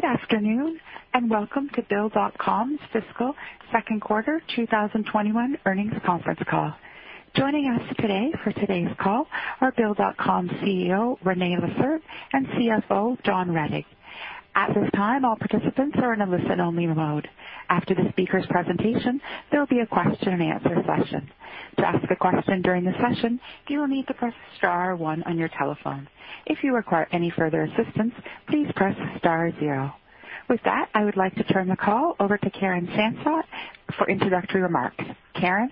Good afternoon, and welcome to BILL.com's fiscal second quarter 2021 earnings conference call. Joining us today for today's call are Bill.com's Chief Executive Officer, René Lacerte, and Chief Financial Officer, John Rettig. At this time, all participants are in a listen-only mode. After the speakers' presentation, there will be a question and answer session. To ask a question during the session, you will need to press star one on your telephone. If you require any further assistance, please press star zero. With that, I would like to turn the call over to Karen Sansot for introductory remarks. Karen?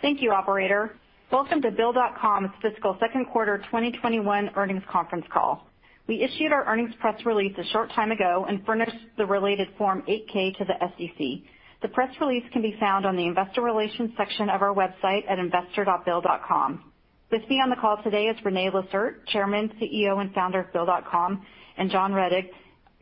Thank you, operator. Welcome to BILL.com's fiscal second quarter 2021 earnings conference call. We issued our earnings press release a short time ago and furnished the related Form 8-K to the SEC. The press release can be found on the investor relations section of our website at investor.bill.com. With me on the call today is René Lacerte, Chairman, Chief Executive Officer, and Founder of BILL.com, and John Rettig,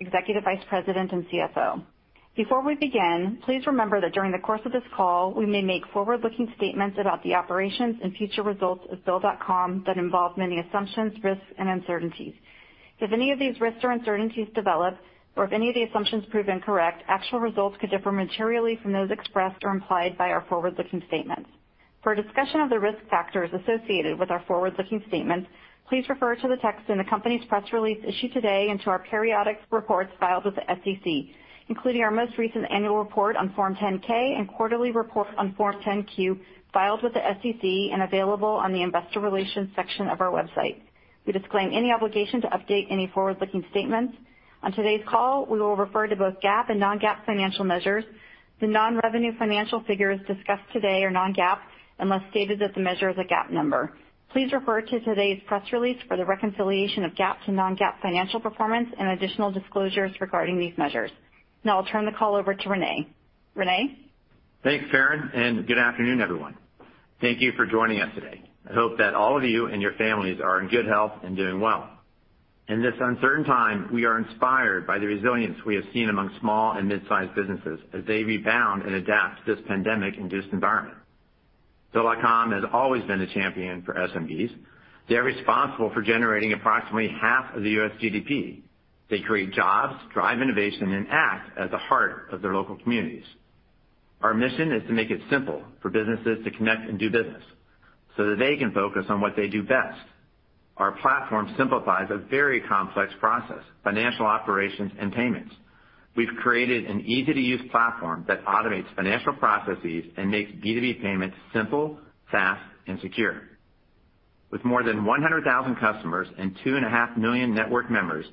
Executive Vice President and Chief Financial Officer. Before we begin, please remember that during the course of this call, we may make forward-looking statements about the operations and future results of BILL.com that involve many assumptions, risks, and uncertainties. If any of these risks or uncertainties develop, or if any of the assumptions prove incorrect, actual results could differ materially from those expressed or implied by our forward-looking statements. For a discussion of the risk factors associated with our forward-looking statements, please refer to the text in the company's press release issued today, and to our periodic reports filed with the SEC, including our most recent annual report on Form 10-K and quarterly report on Form 10-Q filed with the SEC and available on the investor relations section of our website. We disclaim any obligation to update any forward-looking statements. On today's call, we will refer to both GAAP and non-GAAP financial measures. The non-revenue financial figures discussed today are non-GAAP, unless stated that the measure is a GAAP number. Please refer to today's press release for the reconciliation of GAAP to non-GAAP financial performance and additional disclosures regarding these measures. Now I'll turn the call over to René. René? Thanks, Karen, and good afternoon, everyone. Thank you for joining us today. I hope that all of you and your families are in good health and doing well. In this uncertain time, we are inspired by the resilience we have seen among small and mid-sized businesses as they rebound and adapt to this pandemic-induced environment. BILL.com has always been a champion for SMBs. They are responsible for generating approximately half of the U.S. GDP. They create jobs, drive innovation, and act as the heart of their local communities. Our mission is to make it simple for businesses to connect and do business so that they can focus on what they do best. Our platform simplifies a very complex process, financial operations and payments. We've created an easy-to-use platform that automates financial processes and makes B2B payments simple, fast, and secure. With more than 100,000 customers and 2.5 million network members,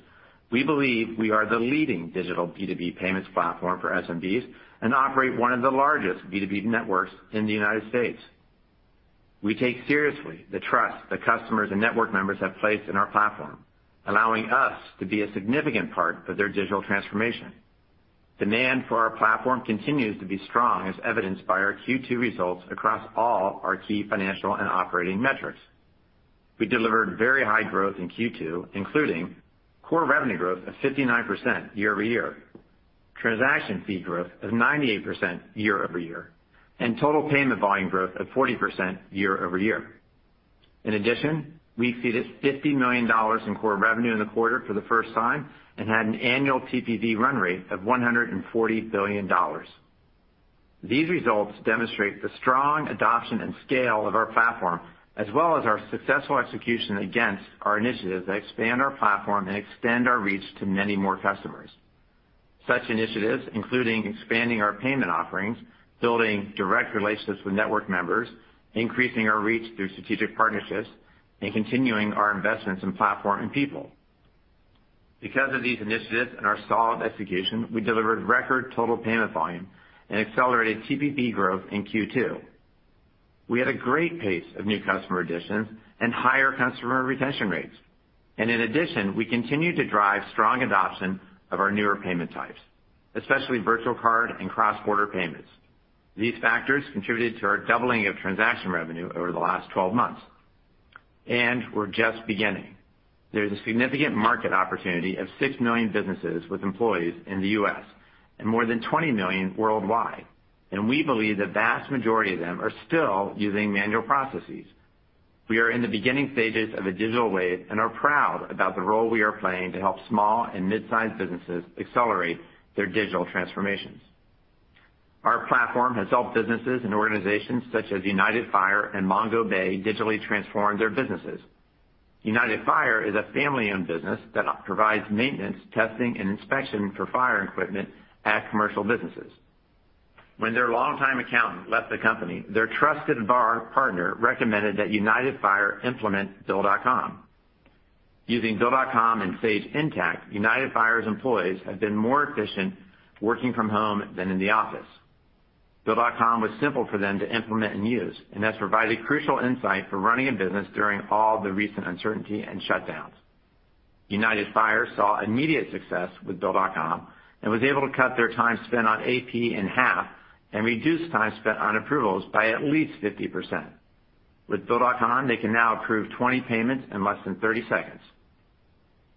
we believe we are the leading digital B2B payments platform for SMBs and operate one of the largest B2B networks in the United States. We take seriously the trust that customers and network members have placed in our platform, allowing us to be a significant part of their digital transformation. Demand for our platform continues to be strong, as evidenced by our Q2 results across all our key financial and operating metrics. We delivered very high growth in Q2, including core revenue growth of 59% year-over-year, transaction fee growth of 98% year-over-year, and total payment volume growth of 40% year-over-year. In addition, we exceeded $50 million in core revenue in the quarter for the first time and had an annual TPV run rate of $140 billion. These results demonstrate the strong adoption and scale of our platform, as well as our successful execution against our initiatives that expand our platform and extend our reach to many more customers. Such initiatives including expanding our payment offerings, building direct relationships with network members, increasing our reach through strategic partnerships, and continuing our investments in platform and people. Because of these initiatives and our solid execution, we delivered record total payment volume and accelerated TPV growth in Q2. We had a great pace of new customer additions and higher customer retention rates. In addition, we continued to drive strong adoption of our newer payment types, especially virtual card and cross-border payments. These factors contributed to our doubling of transaction revenue over the last 12 months. We're just beginning. There's a significant market opportunity of 6 million businesses with employees in the U.S. and more than 20 million worldwide, and we believe the vast majority of them are still using manual processes. We are in the beginning stages of a digital wave and are proud about the role we are playing to help small and mid-sized businesses accelerate their digital transformations. Our platform has helped businesses and organizations such as United Fire and Mongabay digitally transform their businesses. United Fire is a family-owned business that provides maintenance, testing, and inspection for fire equipment at commercial businesses. When their longtime accountant left the company, their trusted VAR partner recommended that United Fire implement BILL.com. Using BILL.com and Sage Intacct, United Fire's employees have been more efficient working from home than in the office. BILL.com was simple for them to implement and use and has provided crucial insight for running a business during all the recent uncertainty and shutdowns. United Fire saw immediate success with BILL.com and was able to cut their time spent on AP in half and reduce time spent on approvals by at least 50%. With Bill.com, they can now approve 20 payments in less than 30 seconds.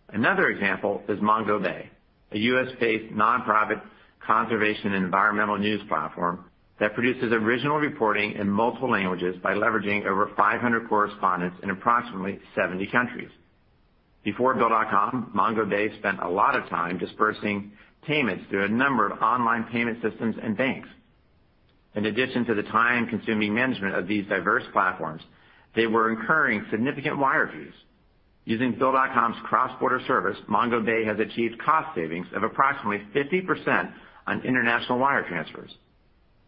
Another example is Mongabay U.S.-based nonprofit conservation environmental news platform that produces original reporting in multiple languages by leveraging over 500 correspondents in approximately 70 countries. Before BILL.com, Mongabay spent a lot of time dispersing payments through a number of online payment systems and banks. In addition to the time-consuming management of these diverse platforms, they were incurring significant wire fees. Using BILL.com's cross-border service, Mongabay has achieved cost savings of approximately 50% on international wire transfers.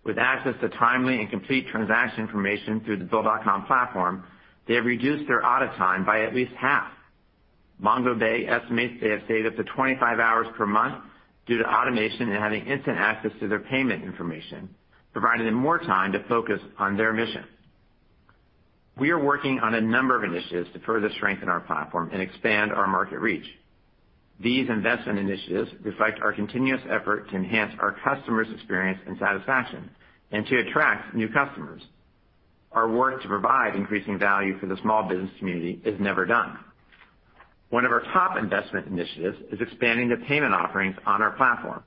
With access to timely and complete transaction information through the BILL.com platform, they have reduced their audit time by at least half. Mongabay estimates they have saved up to 25 hours per month due to automation and having instant access to their payment information, providing them more time to focus on their mission. We are working on a number of initiatives to further strengthen our platform and expand our market reach. These investment initiatives reflect our continuous effort to enhance our customers' experience and satisfaction and to attract new customers. Our work to provide increasing value for the small business community is never done. One of our top investment initiatives is expanding the payment offerings on our platform.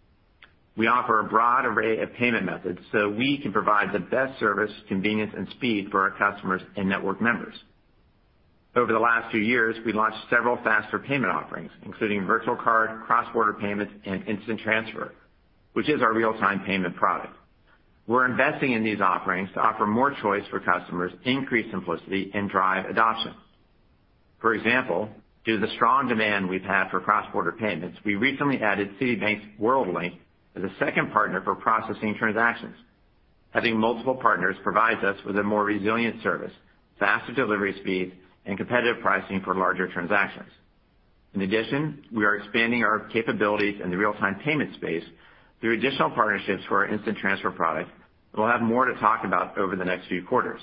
We offer a broad array of payment methods so we can provide the best service, convenience, and speed for our customers and network members. Over the last two years, we launched several faster payment offerings, including virtual card, cross-border payments, and Instant Transfer, which is our real-time payment product. We're investing in these offerings to offer more choice for customers, increase simplicity, and drive adoption. For example, due to the strong demand we've had for cross-border payments, we recently added Citibank's WorldLink as a second partner for processing transactions. Having multiple partners provides us with a more resilient service, faster delivery speeds, and competitive pricing for larger transactions. In addition, we are expanding our capabilities in the real-time payment space through additional partnerships for our Instant Transfer product. We'll have more to talk about over the next few quarters.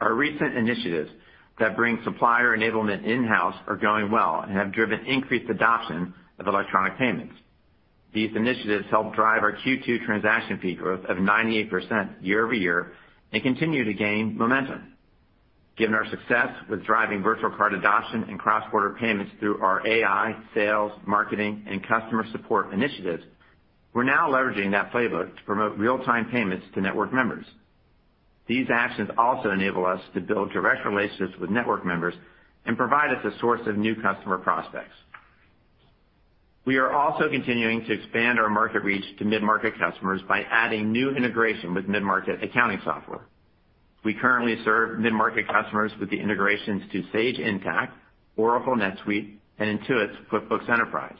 Our recent initiatives that bring supplier enablement in-house are going well and have driven increased adoption of electronic payments. These initiatives helped drive our Q2 transaction fee growth of 98% year-over-year and continue to gain momentum. Given our success with driving virtual card adoption and cross-border payments through our AI, sales, marketing, and customer support initiatives, we're now leveraging that playbook to promote real-time payments to network members. These actions also enable us to build direct relationships with network members and provide us a source of new customer prospects. We are also continuing to expand our market reach to mid-market customers by adding new integration with mid-market accounting software. We currently serve mid-market customers with the integrations to Sage Intacct, Oracle NetSuite, and Intuit's QuickBooks Enterprise.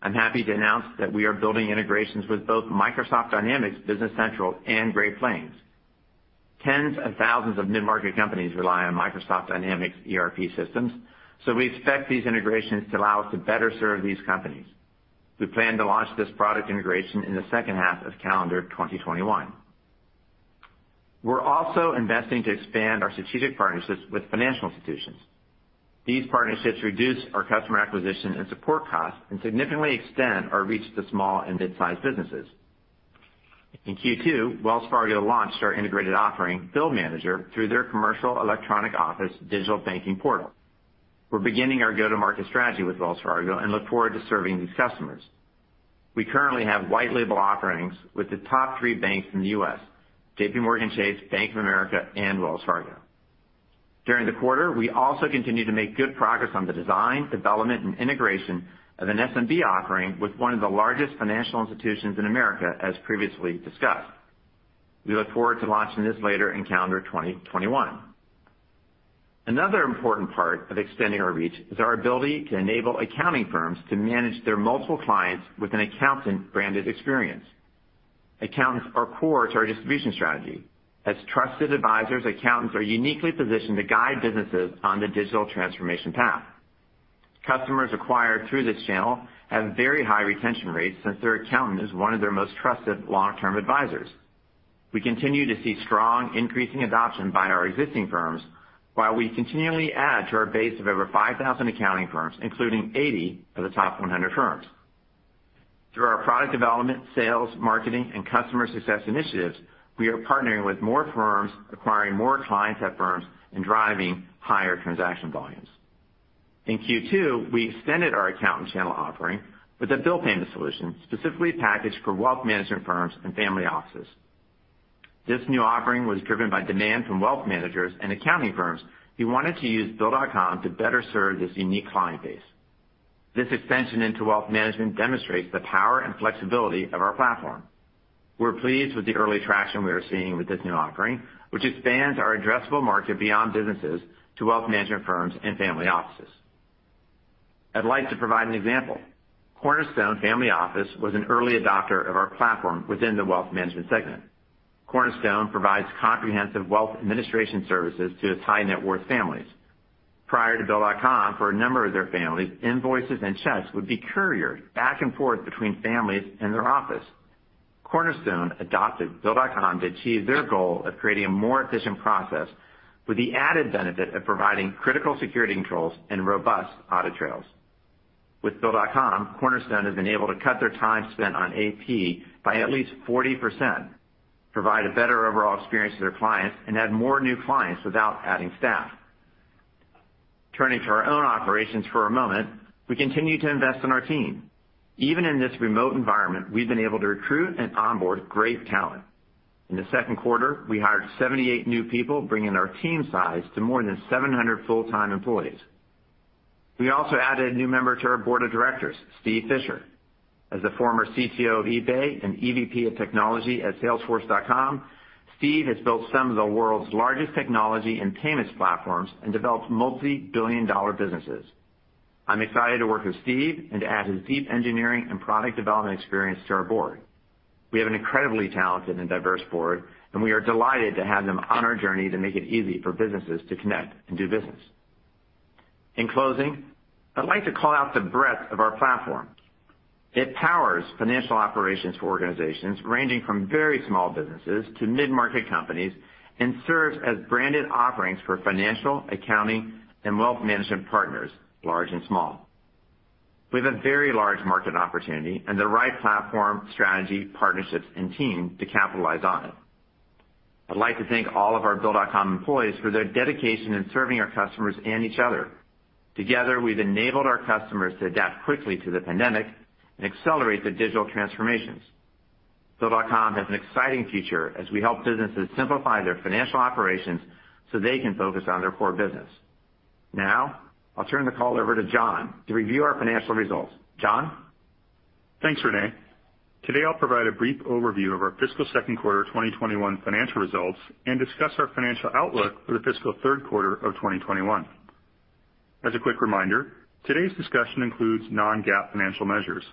I'm happy to announce that we are building integrations with both Microsoft Dynamics Business Central and Great Plains. Tens of thousands of mid-market companies rely on Microsoft Dynamics ERP systems. We expect these integrations to allow us to better serve these companies. We plan to launch this product integration in the second half of calendar 2021. We're also investing to expand our strategic partnerships with financial institutions. These partnerships reduce our customer acquisition and support costs and significantly extend our reach to small and mid-sized businesses. In Q2, Wells Fargo launched our integrated offering, Bill Manager, through their Commercial Electronic Office digital banking portal. We're beginning our go-to-market strategy with Wells Fargo and look forward to serving these customers. We currently have white label offerings with the top three banks in the U.S., JPMorgan Chase, Bank of America, and Wells Fargo. During the quarter, we also continued to make good progress on the design, development, and integration of an SMB offering with one of the largest financial institutions in America, as previously discussed. We look forward to launching this later in calendar 2021. Another important part of extending our reach is our ability to enable accounting firms to manage their multiple clients with an accountant-branded experience. Accountants are core to our distribution strategy. As trusted advisors, accountants are uniquely positioned to guide businesses on the digital transformation path. Customers acquired through this channel have very high retention rates since their accountant is one of their most trusted long-term advisors. We continue to see strong increasing adoption by our existing firms, while we continually add to our base of over 5,000 accounting firms, including 80 of the top 100 firms. Through our product development, sales, marketing, and customer success initiatives, we are partnering with more firms, acquiring more clients at firms, and driving higher transaction volumes. In Q2, we extended our accountant channel offering with a bill payment solution specifically packaged for wealth management firms and family offices. This new offering was driven by demand from wealth managers and accounting firms who wanted to use Bill.com to better serve this unique client base. This expansion into wealth management demonstrates the power and flexibility of our platform. We're pleased with the early traction we are seeing with this new offering, which expands our addressable market beyond businesses to wealth management firms and family offices. I'd like to provide an example. Cornerstone Family Office was an early adopter of our platform within the wealth management segment. Cornerstone provides comprehensive wealth administration services to its high-net-worth families. Prior to BILL.com, for a number of their families, invoices and checks would be couriered back and forth between families and their office. Cornerstone adopted BILL.com to achieve their goal of creating a more efficient process with the added benefit of providing critical security controls and robust audit trails. With BILL.com, Cornerstone has been able to cut their time spent on AP by at least 40%. Provide a better overall experience to their clients, and add more new clients without adding staff. Turning to our own operations for a moment, we continue to invest in our team. Even in this remote environment, we've been able to recruit and onboard great talent. In the second quarter, we hired 78 new people, bringing our team size to more than 700 full-time employees. We also added a new member to our board of directors, Steve Fisher. As the former Chief Technology Officer of eBay and Executive Vice President of technology at salesforce.com, Steve has built some of the world's largest technology and payments platforms, and developed multi-billion-dollar businesses. I'm excited to work with Steve and to add his deep engineering and product development experience to our board. We have an incredibly talented and diverse board, and we are delighted to have him on our journey to make it easy for businesses to connect and do business. In closing, I'd like to call out the breadth of our platform. It powers financial operations for organizations ranging from very small businesses to mid-market companies, and serves as branded offerings for financial, accounting, and wealth management partners, large and small. We have a very large market opportunity and the right platform, strategy, partnerships, and team to capitalize on it. I'd like to thank all of our BILL.com employees for their dedication in serving our customers and each other. Together, we've enabled our customers to adapt quickly to the pandemic and accelerate their digital transformations. BILL.com has an exciting future as we help businesses simplify their financial operations so they can focus on their core business. Now, I'll turn the call over to John to review our financial results. John? Thanks, René. Today, I'll provide a brief overview of our fiscal second quarter 2021 financial results and discuss our financial outlook for the fiscal third quarter of 2021. As a quick reminder, today's discussion includes non-GAAP financial measures.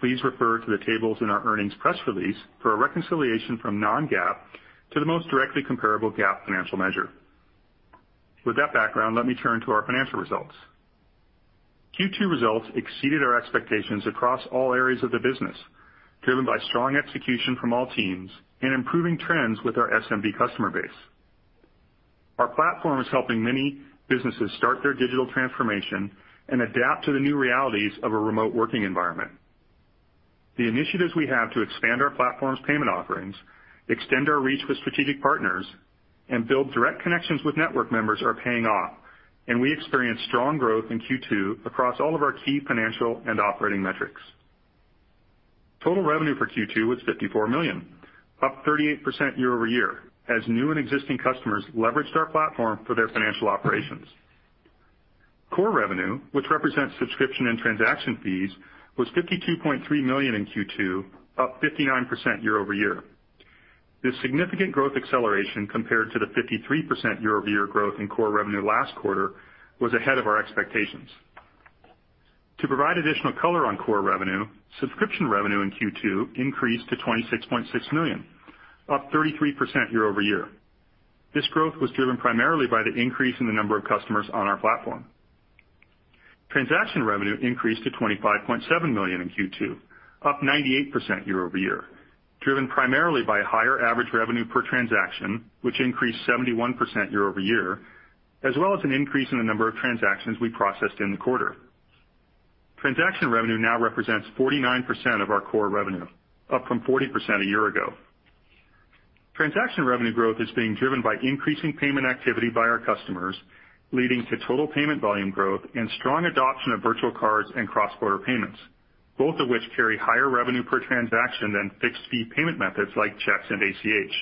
Please refer to the tables in our earnings press release for a reconciliation from non-GAAP to the most directly comparable GAAP financial measure. With that background, let me turn to our financial results. Q2 results exceeded our expectations across all areas of the business, driven by strong execution from all teams and improving trends with our SMB customer base. Our platform is helping many businesses start their digital transformation and adapt to the new realities of a remote working environment. The initiatives we have to expand our platform's payment offerings, extend our reach with strategic partners, and build direct connections with network members are paying off. We experienced strong growth in Q2 across all of our key financial and operating metrics. Total revenue for Q2 was $54 million, up 38% year-over-year, as new and existing customers leveraged our platform for their financial operations. Core revenue, which represents subscription and transaction fees, was $52.3 million in Q2, up 59% year-over-year. This significant growth acceleration compared to the 53% year-over-year growth in core revenue last quarter was ahead of our expectations. To provide additional color on core revenue, subscription revenue in Q2 increased to $26.6 million, up 33% year-over-year. This growth was driven primarily by the increase in the number of customers on our platform. Transaction revenue increased to $25.7 million in Q2, up 98% year-over-year, driven primarily by higher average revenue per transaction, which increased 71% year-over-year, as well as an increase in the number of transactions we processed in the quarter. Transaction revenue now represents 49% of our core revenue, up from 40% a year ago. Transaction revenue growth is being driven by increasing payment activity by our customers, leading to total payment volume growth and strong adoption of virtual cards and cross-border payments, both of which carry higher revenue per transaction than fixed-fee payment methods like checks and ACH.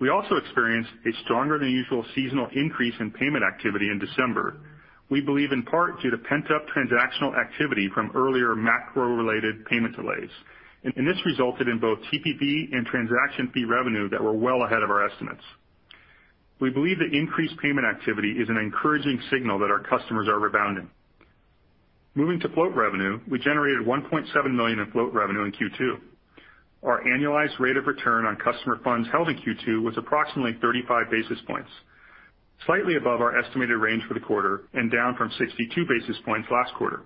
We also experienced a stronger than usual seasonal increase in payment activity in December, we believe in part due to pent-up transactional activity from earlier macro-related payment delays. This resulted in both TPV and transaction fee revenue that were well ahead of our estimates. We believe the increased payment activity is an encouraging signal that our customers are rebounding. Moving to float revenue, we generated $1.7 million in float revenue in Q2. Our annualized rate of return on customer funds held in Q2 was approximately 35 basis points, slightly above our estimated range for the quarter, and down from 62 basis points last quarter.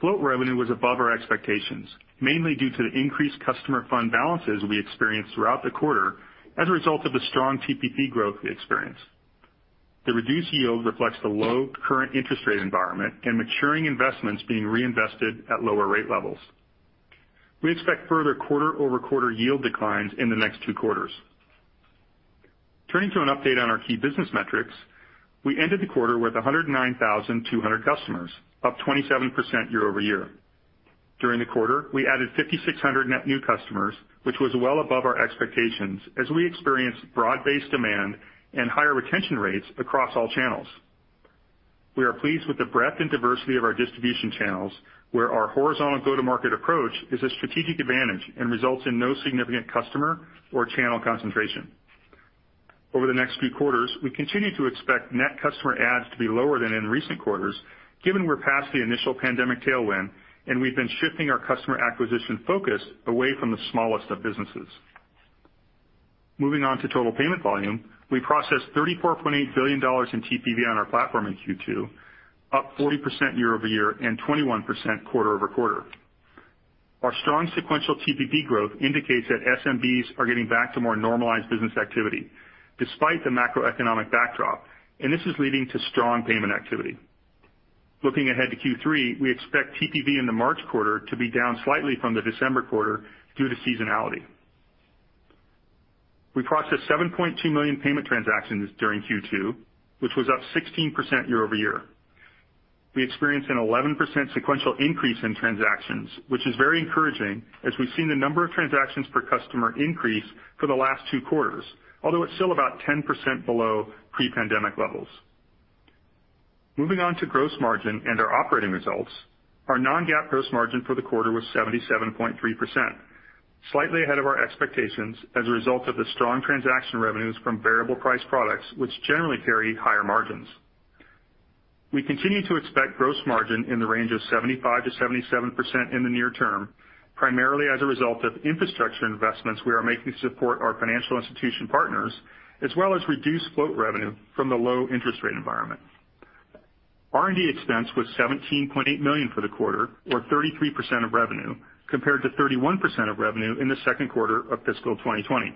Float revenue was above our expectations, mainly due to the increased customer fund balances we experienced throughout the quarter as a result of the strong TPV growth we experienced. The reduced yield reflects the low current interest rate environment and maturing investments being reinvested at lower rate levels. We expect further quarter-over-quarter yield declines in the next two quarters. Turning to an update on our key business metrics, we ended the quarter with 109,200 customers, up 27% year-over-year. During the quarter, we added 5,600 net new customers, which was well above our expectations as we experienced broad-based demand and higher retention rates across all channels. We are pleased with the breadth and diversity of our distribution channels, where our horizontal go-to-market approach is a strategic advantage and results in no significant customer or channel concentration. Over the next few quarters, we continue to expect net customer adds to be lower than in recent quarters, given we're past the initial pandemic tailwind, and we've been shifting our customer acquisition focus away from the smallest of businesses. Moving on to total payment volume, we processed $34.8 billion in TPV on our platform in Q2, up 40% year-over-year and 21% quarter-over-quarter. Our strong sequential TPV growth indicates that SMBs are getting back to more normalized business activity despite the macroeconomic backdrop, and this is leading to strong payment activity. Looking ahead to Q3, we expect TPV in the March quarter to be down slightly from the December quarter due to seasonality. We processed 7.2 million payment transactions during Q2, which was up 16% year-over-year. We experienced an 11% sequential increase in transactions, which is very encouraging as we've seen the number of transactions per customer increase for the last two quarters, although it's still about 10% below pre-pandemic levels. Moving on to gross margin and our operating results, our non-GAAP gross margin for the quarter was 77.3%, slightly ahead of our expectations as a result of the strong transaction revenues from variable price products, which generally carry higher margins. We continue to expect gross margin in the range of 75%-77% in the near term, primarily as a result of infrastructure investments we are making to support our financial institution partners, as well as reduced float revenue from the low interest rate environment. R&D expense was $17.8 million for the quarter, or 33% of revenue, compared to 31% of revenue in the second quarter of fiscal 2020.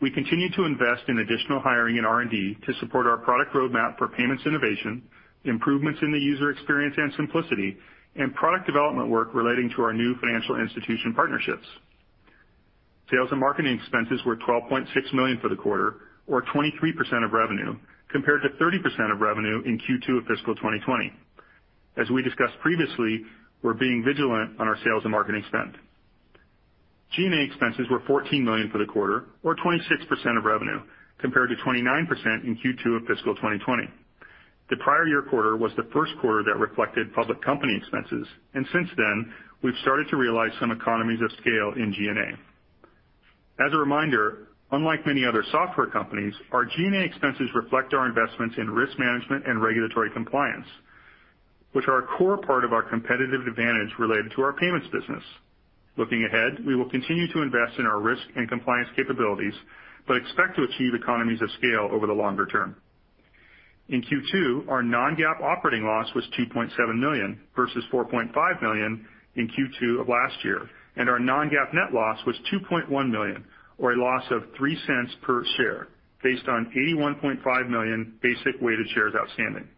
We continue to invest in additional hiring in R&D to support our product roadmap for payments innovation, improvements in the user experience and simplicity, and product development work relating to our new financial institution partnerships. Sales and marketing expenses were $12.6 million for the quarter, or 23% of revenue, compared to 30% of revenue in Q2 of fiscal 2020. As we discussed previously, we're being vigilant on our sales and marketing spend. G&A expenses were $14 million for the quarter, or 26% of revenue, compared to 29% in Q2 of fiscal 2020. The prior year quarter was the first quarter that reflected public company expenses, and since then, we've started to realize some economies of scale in G&A. As a reminder, unlike many other software companies, our G&A expenses reflect our investments in risk management and regulatory compliance, which are a core part of our competitive advantage related to our payments business. Looking ahead, we will continue to invest in our risk and compliance capabilities, but expect to achieve economies of scale over the longer term. In Q2, our non-GAAP operating loss was $2.7 million versus $4.5 million in Q2 of last year, and our non-GAAP net loss was $2.1 million, or a loss of $0.03 per share based on 81.5 million basic weighted shares outstanding.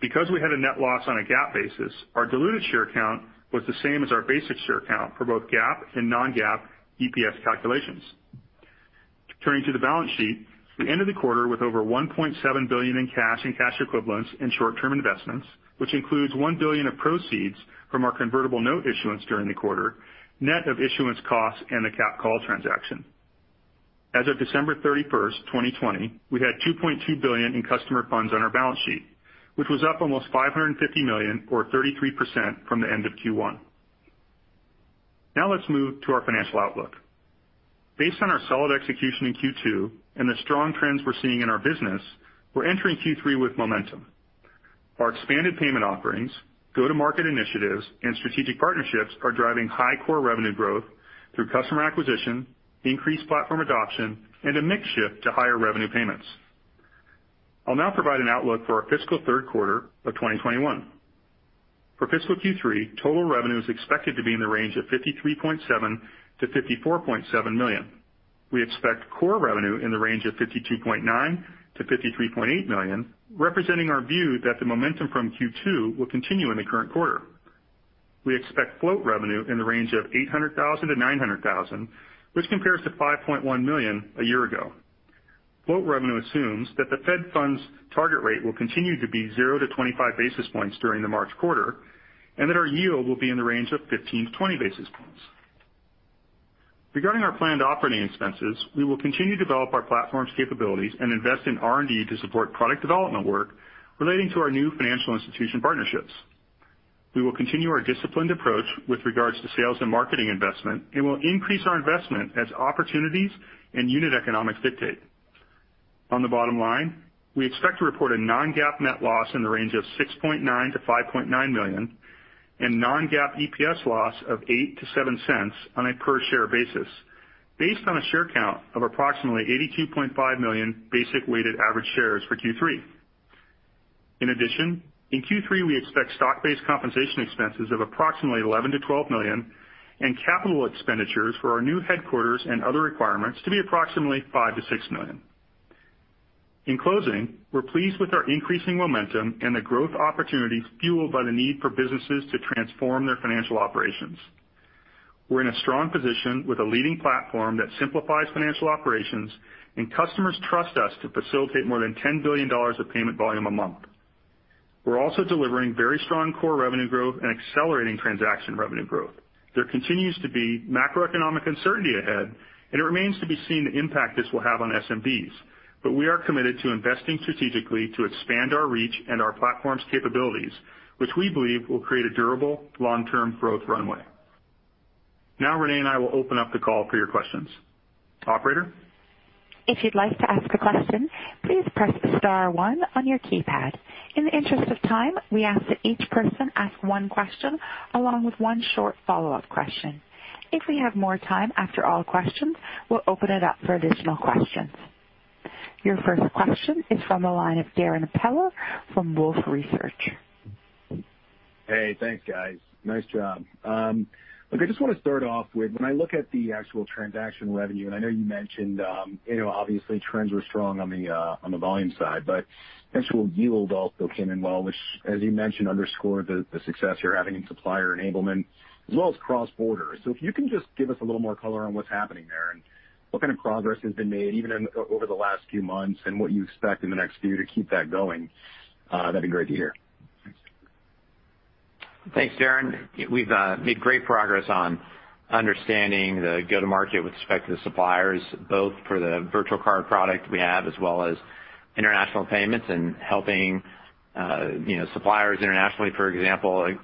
Because we had a net loss on a GAAP basis, our diluted share count was the same as our basic share count for both GAAP and non-GAAP EPS calculations. Turning to the balance sheet, we ended the quarter with over $1.7 billion in cash and cash equivalents in short-term investments, which includes $1 billion of proceeds from our convertible note issuance during the quarter, net of issuance costs and the cap call transaction. As of December 31st, 2020, we had $2.2 billion in customer funds on our balance sheet, which was up almost $550 million, or 33%, from the end of Q1. Let's move to our financial outlook. Based on our solid execution in Q2 and the strong trends we're seeing in our business, we're entering Q3 with momentum. Our expanded payment offerings, go-to-market initiatives, and strategic partnerships are driving high core revenue growth through customer acquisition, increased platform adoption, and a mix shift to higher revenue payments. I'll now provide an outlook for our fiscal third quarter of 2021. For fiscal Q3, total revenue is expected to be in the range of $53.7 million-$54.7 million. We expect core revenue in the range of $52.9 million-$53.8 million, representing our view that the momentum from Q2 will continue in the current quarter. We expect float revenue in the range of $800,000-$900,000, which compares to $5.1 million a year ago. Float revenue assumes that the Fed funds target rate will continue to be 0-25 basis points during the March quarter, and that our yield will be in the range of 15-20 basis points. Regarding our planned operating expenses, we will continue to develop our platform's capabilities and invest in R&D to support product development work relating to our new financial institution partnerships. We will continue our disciplined approach with regards to sales and marketing investment and will increase our investment as opportunities and unit economics dictate. On the bottom line, we expect to report a non-GAAP net loss in the range of $6.9 million-$5.9 million and non-GAAP EPS loss of $0.08-$0.07 on a per-share basis, based on a share count of approximately 82.5 million basic weighted average shares for Q3. In addition, in Q3, we expect stock-based compensation expenses of approximately $11 million-$12 million and capital expenditures for our new headquarters and other requirements to be approximately $5 million-$6 million. In closing, we're pleased with our increasing momentum and the growth opportunities fueled by the need for businesses to transform their financial operations. We're in a strong position with a leading platform that simplifies financial operations and customers trust us to facilitate more than $10 billion of payment volume a month. We're also delivering very strong core revenue growth and accelerating transaction revenue growth. There continues to be macroeconomic uncertainty ahead, and it remains to be seen the impact this will have on SMBs. We are committed to investing strategically to expand our reach and our platform's capabilities, which we believe will create a durable long-term growth runway. Now, René and I will open up the call for your questions. Operator? If you'd like to ask a question, please press star one on your keypad. In the interest of time, we ask that each person ask one question along with one short follow-up question. If we have more time after all questions, we'll open it up for additional questions. Your first question is from the line of Darrin Peller from Wolfe Research. Hey, thanks guys. Nice job. Look, I just want to start off with, when I look at the actual transaction revenue, and I know you mentioned, obviously trends were strong on the volume side, but actual yield also came in well, which as you mentioned underscored the success you're having in supplier enablement as well as cross-border. If you can just give us a little more color on what's happening there and what kind of progress has been made even over the last few months and what you expect in the next few to keep that going, that'd be great to hear. Thanks. Thanks, Darrin. We've made great progress on understanding the go-to-market with respect to the suppliers, both for the virtual card product we have, as well as international payments and helping suppliers internationally, for example,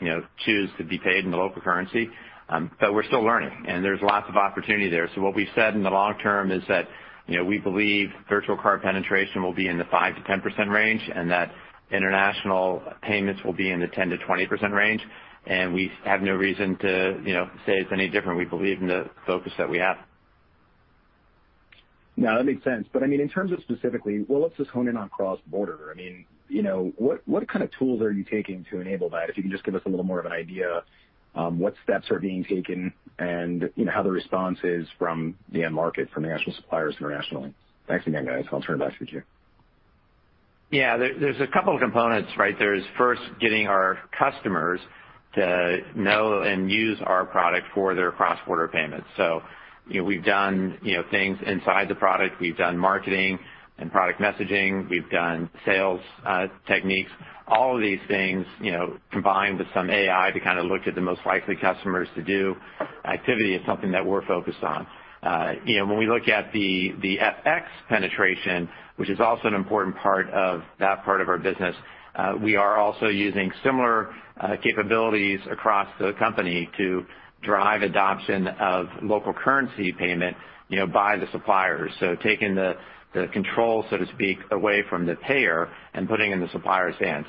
choose to be paid in the local currency. We're still learning, and there's lots of opportunity there. What we've said in the long term is that we believe virtual card penetration will be in the 5%-10% range, and that international payments will be in the 10%-20% range. We have no reason to say it's any different. We believe in the focus that we have. No, that makes sense. In terms of specifically, well, let's just hone in on cross-border. What kind of tools are you taking to enable that? If you can just give us a little more of an idea what steps are being taken and how the response is from the end market for national suppliers internationally. Thanks again, guys. I'll turn it back to you, John. Yeah, there's a couple of components. There's first getting our customers to know and use our product for their cross-border payments. We've done things inside the product. We've done marketing and product messaging. We've done sales techniques. All of these things, combined with some AI to look at the most likely customers to do activity is something that we're focused on. When we look at the FX penetration, which is also an important part of that part of our business, we are also using similar capabilities across the company to drive adoption of local currency payment by the suppliers. Taking the control, so to speak, away from the payer and putting it in the supplier's hand.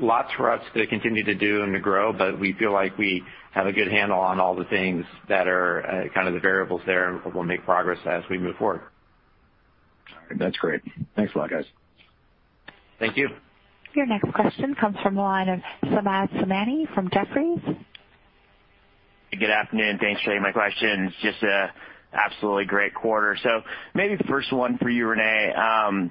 Lots for us to continue to do and to grow, but we feel like we have a good handle on all the things that are the variables there, and we'll make progress as we move forward. All right. That's great. Thanks a lot, guys. Thank you. Your next question comes from the line of Samad Samana from Jefferies. Good afternoon. Thanks for taking my questions. Just an absolutely great quarter. Maybe the first one for you, René.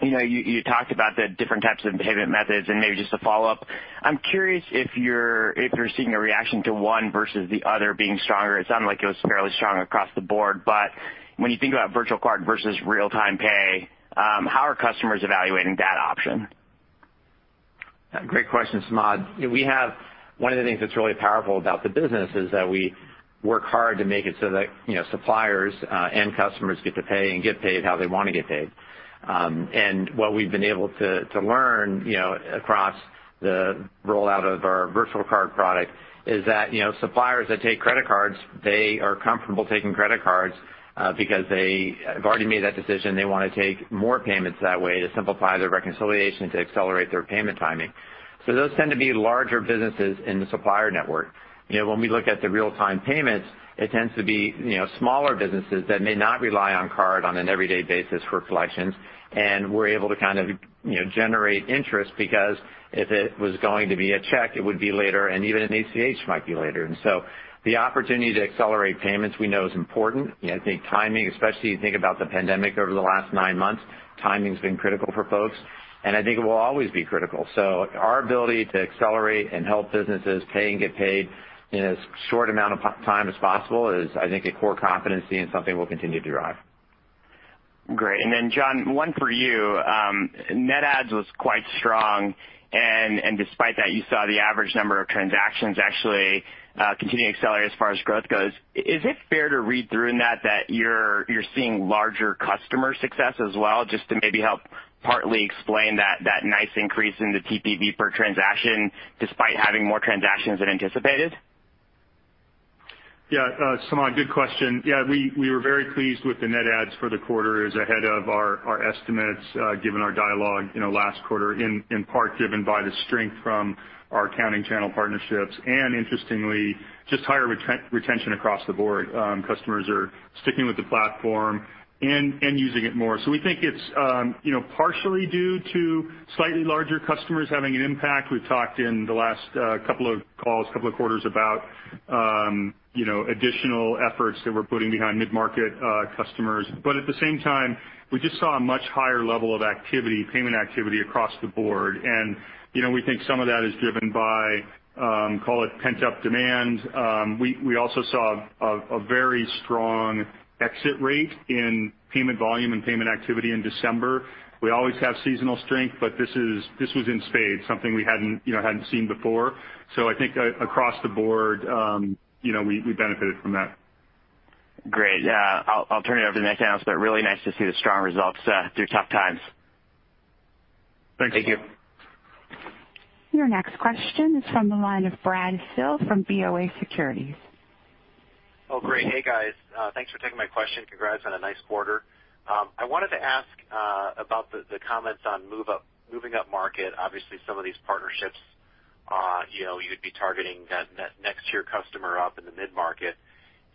You talked about the different types of payment methods and maybe just a follow-up. I'm curious if you're seeing a reaction to one versus the other being stronger. It sounded like it was fairly strong across the board. When you think about virtual card versus Instant Transfer, how are customers evaluating that option? Great question, Samad. One of the things that's really powerful about the business is that we work hard to make it so that suppliers and customers get to pay and get paid how they want to get paid. What we've been able to learn across the rollout of our virtual card product is that suppliers that take credit cards, they are comfortable taking credit cards because they have already made that decision. They want to take more payments that way to simplify their reconciliation, to accelerate their payment timing. Those tend to be larger businesses in the supplier network. When we look at the real-time payments, it tends to be smaller businesses that may not rely on card on an everyday basis for collections. We're able to generate interest because if it was going to be a check, it would be later, and even an ACH might be later. The opportunity to accelerate payments we know is important. I think timing, especially you think about the pandemic over the last nine months, timing's been critical for folks, and I think it will always be critical. Our ability to accelerate and help businesses pay and get paid in as short amount of time as possible is, I think, a core competency and something we'll continue to drive. Great. John, one for you. Net adds was quite strong, and despite that, you saw the average number of transactions actually continue to accelerate as far as growth goes. Is it fair to read through in that you're seeing larger customer success as well, just to maybe help partly explain that nice increase in the TPV per transaction despite having more transactions than anticipated? Samad, good question. We were very pleased with the net adds for the quarter. It was ahead of our estimates, given our dialogue last quarter, in part driven by the strength from our accounting channel partnerships, interestingly, just higher retention across the board. Customers are sticking with the platform and using it more. We think it's partially due to slightly larger customers having an impact. We've talked in the last couple of calls, couple of quarters about additional efforts that we're putting behind mid-market customers. At the same time, we just saw a much higher level of payment activity across the board. We think some of that is driven by, call it pent-up demand. We also saw a very strong exit rate in payment volume and payment activity in December. We always have seasonal strength, but this was in spades, something we hadn't seen before. I think across the board we benefited from that. Great. I'll turn it over to the next analyst, but really nice to see the strong results through tough times. Thanks. Thank you. Your next question is from the line of Brad Sills from BofA Securities. Oh, great. Hey, guys. Thanks for taking my question. Congrats on a nice quarter. I wanted to ask about the comments on moving up market. Obviously, some of these partnerships you'd be targeting that next tier customer up in the mid-market.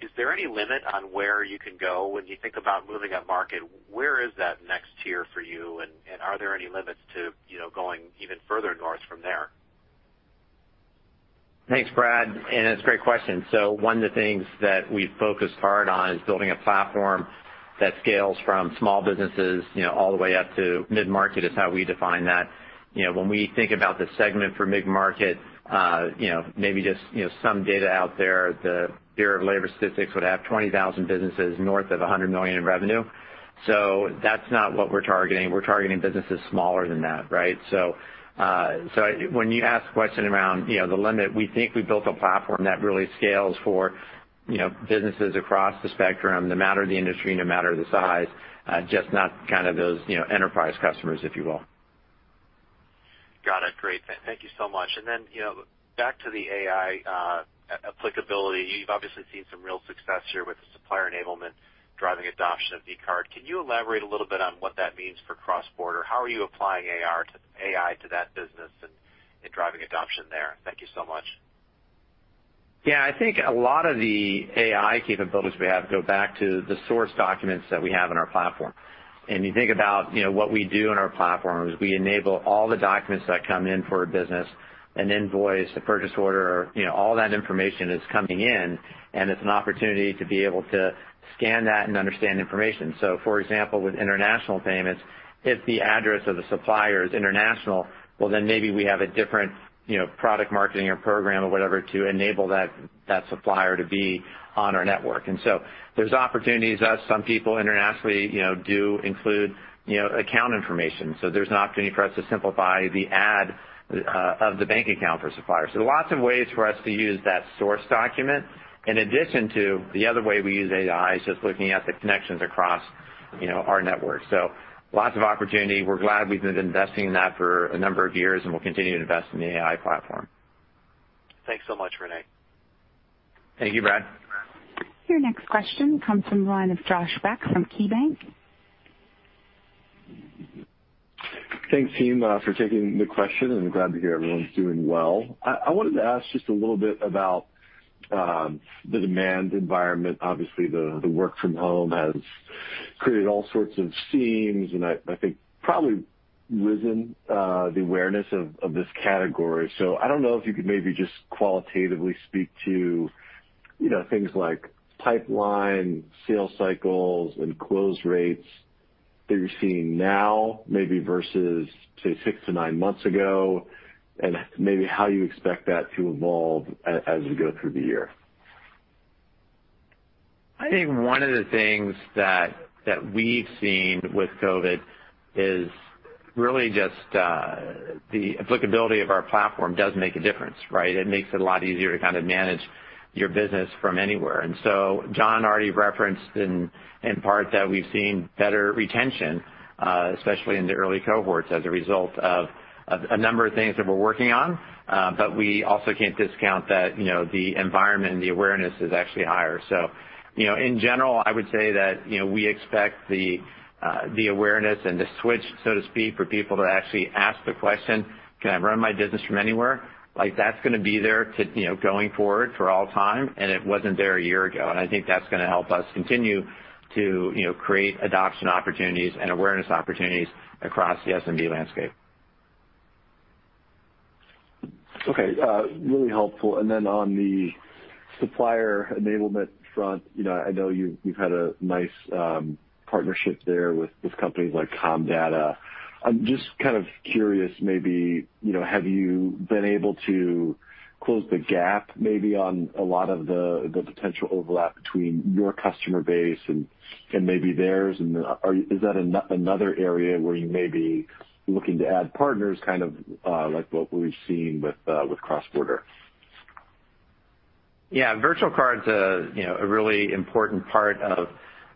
Is there any limit on where you can go when you think about moving up market? Where is that next tier for you, and are there any limits to going even further north from there? Thanks, Brad. It's a great question. One of the things that we've focused hard on is building a platform that scales from small businesses all the way up to mid-market, is how we define that. When we think about the segment for mid-market, maybe just some data out there, the Bureau of Labor Statistics would have 20,000 businesses north of 100 million in revenue. That's not what we're targeting. We're targeting businesses smaller than that, right? When you ask the question around the limit, we think we built a platform that really scales for businesses across the spectrum, no matter the industry, no matter the size, just not those enterprise customers, if you will. Got it. Great. Thank you so much. Back to the AI applicability. You've obviously seen some real success here with the supplier enablement driving adoption of virtual card. Can you elaborate a little bit on what that means for cross-border? How are you applying AI to that business and driving adoption there? Thank you so much. I think a lot of the AI capabilities we have go back to the source documents that we have on our platform. You think about what we do on our platform is we enable all the documents that come in for a business, an invoice, a purchase order, all that information is coming in, and it's an opportunity to be able to scan that and understand information. For example, with international payments, if the address of the supplier is international, well, then maybe we have a different product marketing or program or whatever to enable that supplier to be on our network. There's opportunities as some people internationally do include account information. There's an opportunity for us to simplify the add of the bank account for suppliers. Lots of ways for us to use that source document in addition to the other way we use AI is just looking at the connections across our network. Lots of opportunity. We're glad we've been investing in that for a number of years, and we'll continue to invest in the AI platform. Thanks so much, René. Thank you, Brad. Your next question comes from the line of Josh Beck from KeyBanc. Thanks, team, for taking the question, and glad to hear everyone's doing well. I wanted to ask just a little bit about the demand environment. Obviously, the work from home has created all sorts of themes and I think probably raised the awareness of this category. I don't know if you could maybe just qualitatively speak to things like pipeline, sales cycles, and close rates that you're seeing now, maybe versus, say, six to nine months ago, and maybe how you expect that to evolve as we go through the year. I think one of the things that we've seen with COVID is really just the applicability of our platform does make a difference, right? It makes it a lot easier to manage your business from anywhere. John already referenced in part that we've seen better retention, especially in the early cohorts as a result of a number of things that we're working on. We also can't discount that the environment and the awareness is actually higher. In general, I would say that we expect the awareness and the switch, so to speak, for people to actually ask the question, "Can I run my business from anywhere?" Like, that's going to be there going forward for all time, and it wasn't there a year ago. I think that's going to help us continue to create adoption opportunities and awareness opportunities across the SMB landscape. Okay. Really helpful. Then on the supplier enablement front, I know you've had a nice partnership there with companies like Comdata. I'm just kind of curious, maybe, have you been able to close the gap maybe on a lot of the potential overlap between your customer base and maybe theirs? Is that another area where you may be looking to add partners, kind of like what we've seen with cross-border? Yeah. Virtual card's a really important part of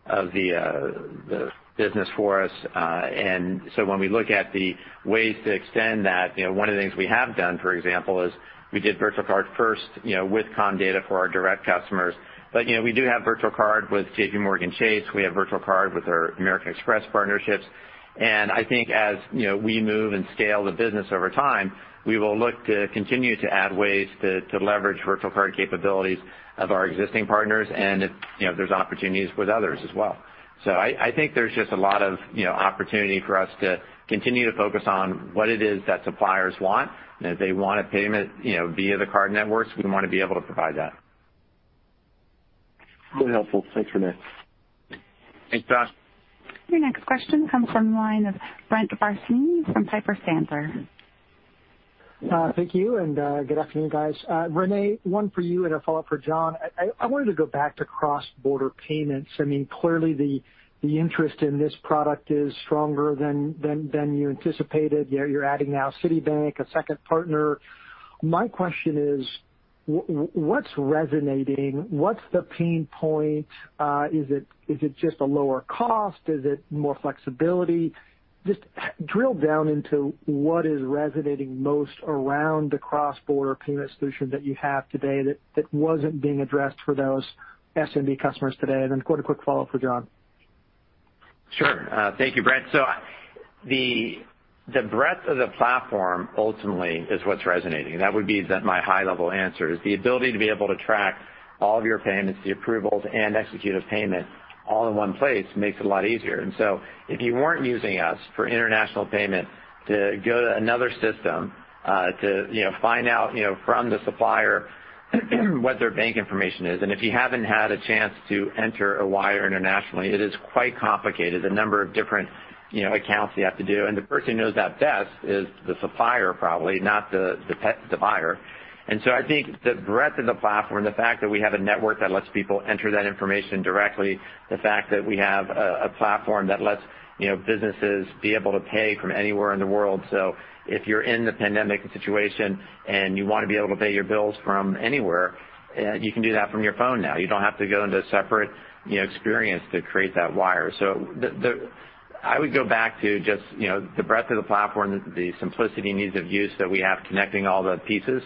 the business for us. When we look at the ways to extend that, one of the things we have done, for example, is we did virtual card first with Comdata for our direct customers. We do have virtual card with JPMorgan Chase, we have virtual card with our American Express partnerships. I think as we move and scale the business over time, we will look to continue to add ways to leverage virtual card capabilities of our existing partners, and if there's opportunities with others as well. I think there's just a lot of opportunity for us to continue to focus on what it is that suppliers want. If they want a payment via the card networks, we want to be able to provide that. Really helpful. Thanks, René. Thanks, Josh. Your next question comes from the line of Brent Tharp from Piper Sandler. Thank you, good afternoon, guys. René, one for you and a follow-up for John. I wanted to go back to cross-border payments. Clearly the interest in this product is stronger than you anticipated. You're adding now Citibank, a second partner. My question is, what's resonating? What's the pain point? Is it just a lower cost? Is it more flexibility? Just drill down into what is resonating most around the cross-border payment solution that you have today that wasn't being addressed for those SMB customers today. Got a quick follow-up for John. Sure. Thank you, Brent. The breadth of the platform ultimately is what's resonating. That would be my high-level answer, is the ability to be able to track all of your payments, the approvals, and execute a payment all in one place makes it a lot easier. If you weren't using us for international payment to go to another system to find out from the supplier what their bank information is, if you haven't had a chance to enter a wire internationally, it is quite complicated, the number of different accounts you have to do. The person who knows that best is the supplier probably, not the buyer. I think the breadth of the platform, the fact that we have a network that lets people enter that information directly, the fact that we have a platform that lets businesses be able to pay from anywhere in the world. If you're in the pandemic situation and you want to be able to pay your bills from anywhere, you can do that from your phone now. You don't have to go into a separate experience to create that wire. I would go back to just the breadth of the platform, the simplicity and ease of use that we have connecting all the pieces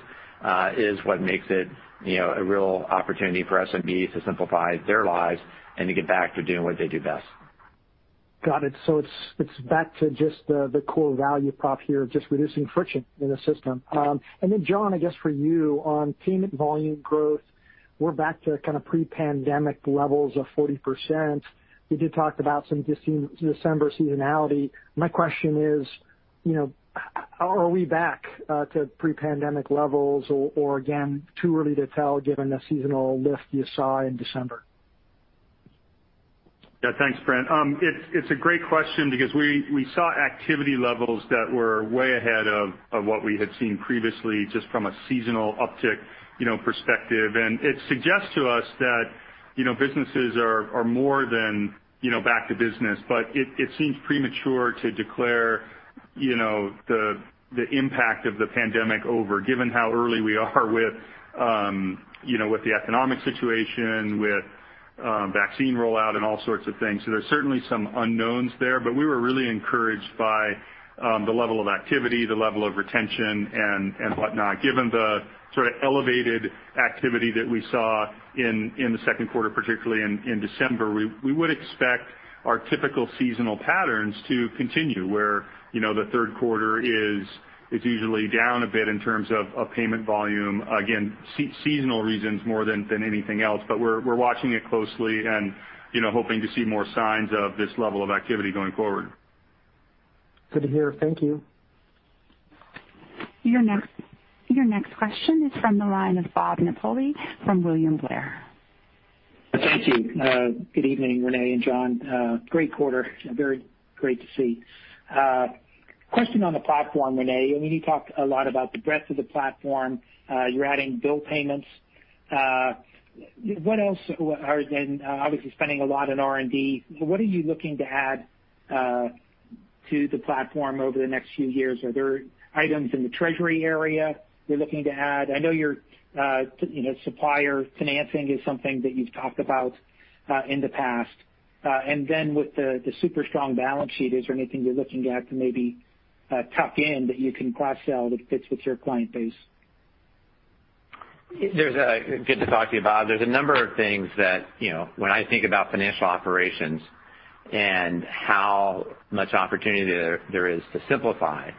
is what makes it a real opportunity for SMBs to simplify their lives and to get back to doing what they do best. Got it. It's back to just the core value prop here of just reducing friction in the system. John, I guess for you on payment volume growth, we're back to kind of pre-pandemic levels of 40%. You did talk about some December seasonality. My question is, are we back to pre-pandemic levels or again, too early to tell given the seasonal lift you saw in December? Yeah. Thanks, Brent. It's a great question because we saw activity levels that were way ahead of what we had seen previously, just from a seasonal uptick perspective. It suggests to us that businesses are more than back to business. It seems premature to declare the impact of the pandemic over, given how early we are with the economic situation, with vaccine rollout and all sorts of things. There's certainly some unknowns there. We were really encouraged by the level of activity, the level of retention and whatnot. Given the sort of elevated activity that we saw in the second quarter, particularly in December, we would expect our typical seasonal patterns to continue where the third quarter is usually down a bit in terms of payment volume. Seasonal reasons more than anything else. We're watching it closely and hoping to see more signs of this level of activity going forward. Good to hear. Thank you. Your next question is from the line of Bob Napoli from William Blair. Thank you. Good evening, René and John. Great quarter. Very great to see. Question on the platform, René. You talked a lot about the breadth of the platform. You're adding bill payments. Obviously spending a lot in R&D. What are you looking to add to the platform over the next few years? Are there items in the treasury area you're looking to add? I know supplier financing is something that you've talked about in the past. Then with the super strong balance sheet, is there anything you're looking at to maybe tuck in that you can cross-sell that fits with your client base? Good to talk to you, Bob. There's a number of things that when I think about financial operations and how much opportunity there is to simplify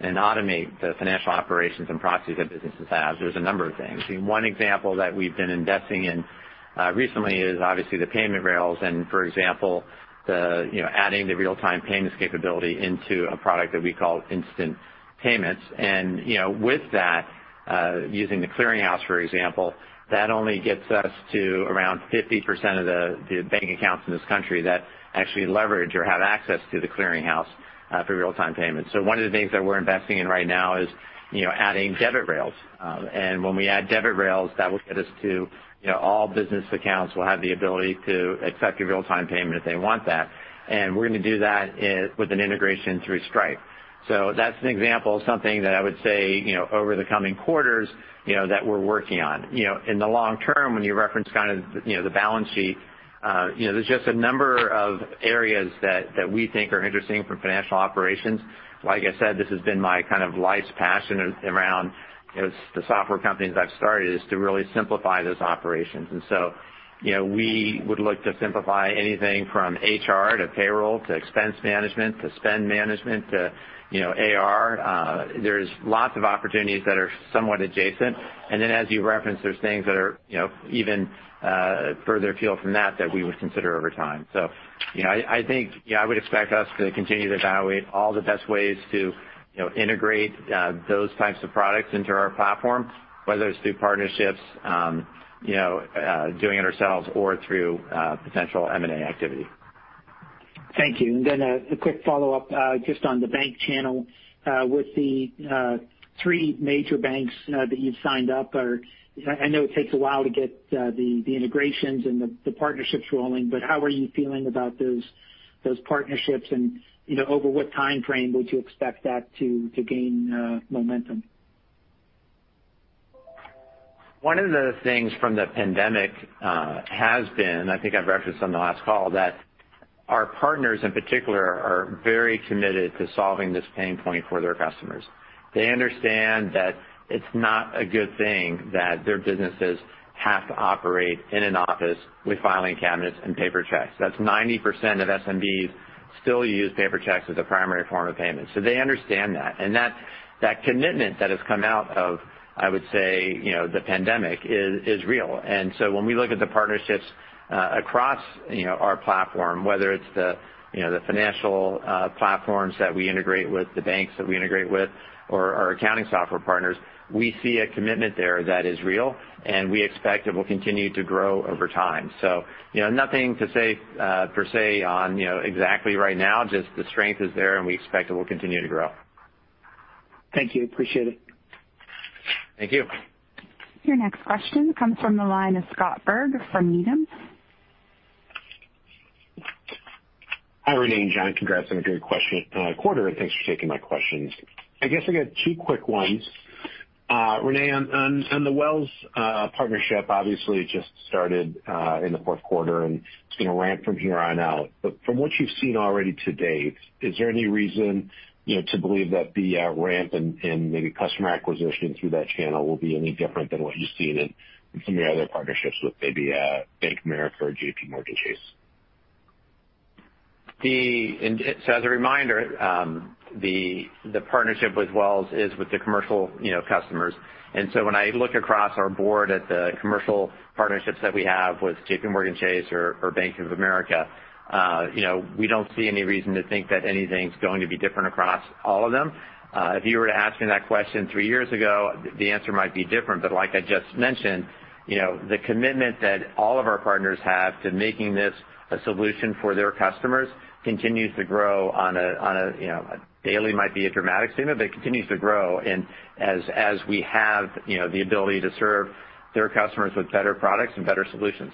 and automate the financial operations and processes that businesses have, there's a number of things. One example that we've been investing in recently is obviously the payment rails and for example adding the real-time payments capability into a product that we call Instant Transfer. With that, using The Clearing House, for example, that only gets us to around 50% of the banking accounts in this country that actually leverage or have access to The Clearing House for real-time payments. One of the things that we're investing in right now is adding debit rails. When we add debit rails, that will get us to all business accounts will have the ability to accept a real-time payment if they want that. We're going to do that with an integration through Stripe. That's an example of something that I would say over the coming quarters that we're working on. In the long term, when you reference kind of the balance sheet, there's just a number of areas that we think are interesting from financial operations. Like I said, this has been my kind of life's passion around the software companies I've started, is to really simplify those operations. We would look to simplify anything from HR to payroll to expense management to spend management to AR. There's lots of opportunities that are somewhat adjacent. As you referenced, there's things that are even further afield from that that we would consider over time. I think, I would expect us to continue to evaluate all the best ways to integrate those types of products into our platform, whether it's through partnerships, doing it ourselves or through potential M&A activity. Thank you. A quick follow-up just on the bank channel. With the three major banks that you've signed up, I know it takes a while to get the integrations and the partnerships rolling, how are you feeling about those partnerships and over what time frame would you expect that to gain momentum? One of the things from the pandemic has been, I think I referenced on the last call, that our partners in particular are very committed to solving this pain point for their customers. They understand that it's not a good thing that their businesses have to operate in an office with filing cabinets and paper checks. 90% of SMBs still use paper checks as a primary form of payment. They understand that. That commitment that has come out of, I would say, the pandemic is real. When we look at the partnerships across our platform, whether it's the financial platforms that we integrate with, the banks that we integrate with, or our accounting software partners, we see a commitment there that is real, and we expect it will continue to grow over time. Nothing to say per se on exactly right now, just the strength is there and we expect it will continue to grow. Thank you. Appreciate it. Thank you. Your next question comes from the line of Scott Berg from Needham. Hi, René and John. Congrats on a great quarter. Thanks for taking my questions. I guess I got two quick ones. René, on the Wells Fargo partnership, obviously it just started in the fourth quarter. It's going to ramp from here on out. From what you've seen already to date, is there any reason to believe that the ramp and maybe customer acquisition through that channel will be any different than what you've seen in some of your other partnerships with maybe a Bank of America or JPMorgan Chase? As a reminder, the partnership with Wells is with the commercial customers. When I look across our board at the commercial partnerships that we have with JPMorgan Chase or Bank of America, we don't see any reason to think that anything's going to be different across all of them. If you were to ask me that question three years ago, the answer might be different. Like I just mentioned, the commitment that all of our partners have to making this a solution for their customers continues to grow on daily might be a dramatic statement, but it continues to grow and as we have the ability to serve their customers with better products and better solutions.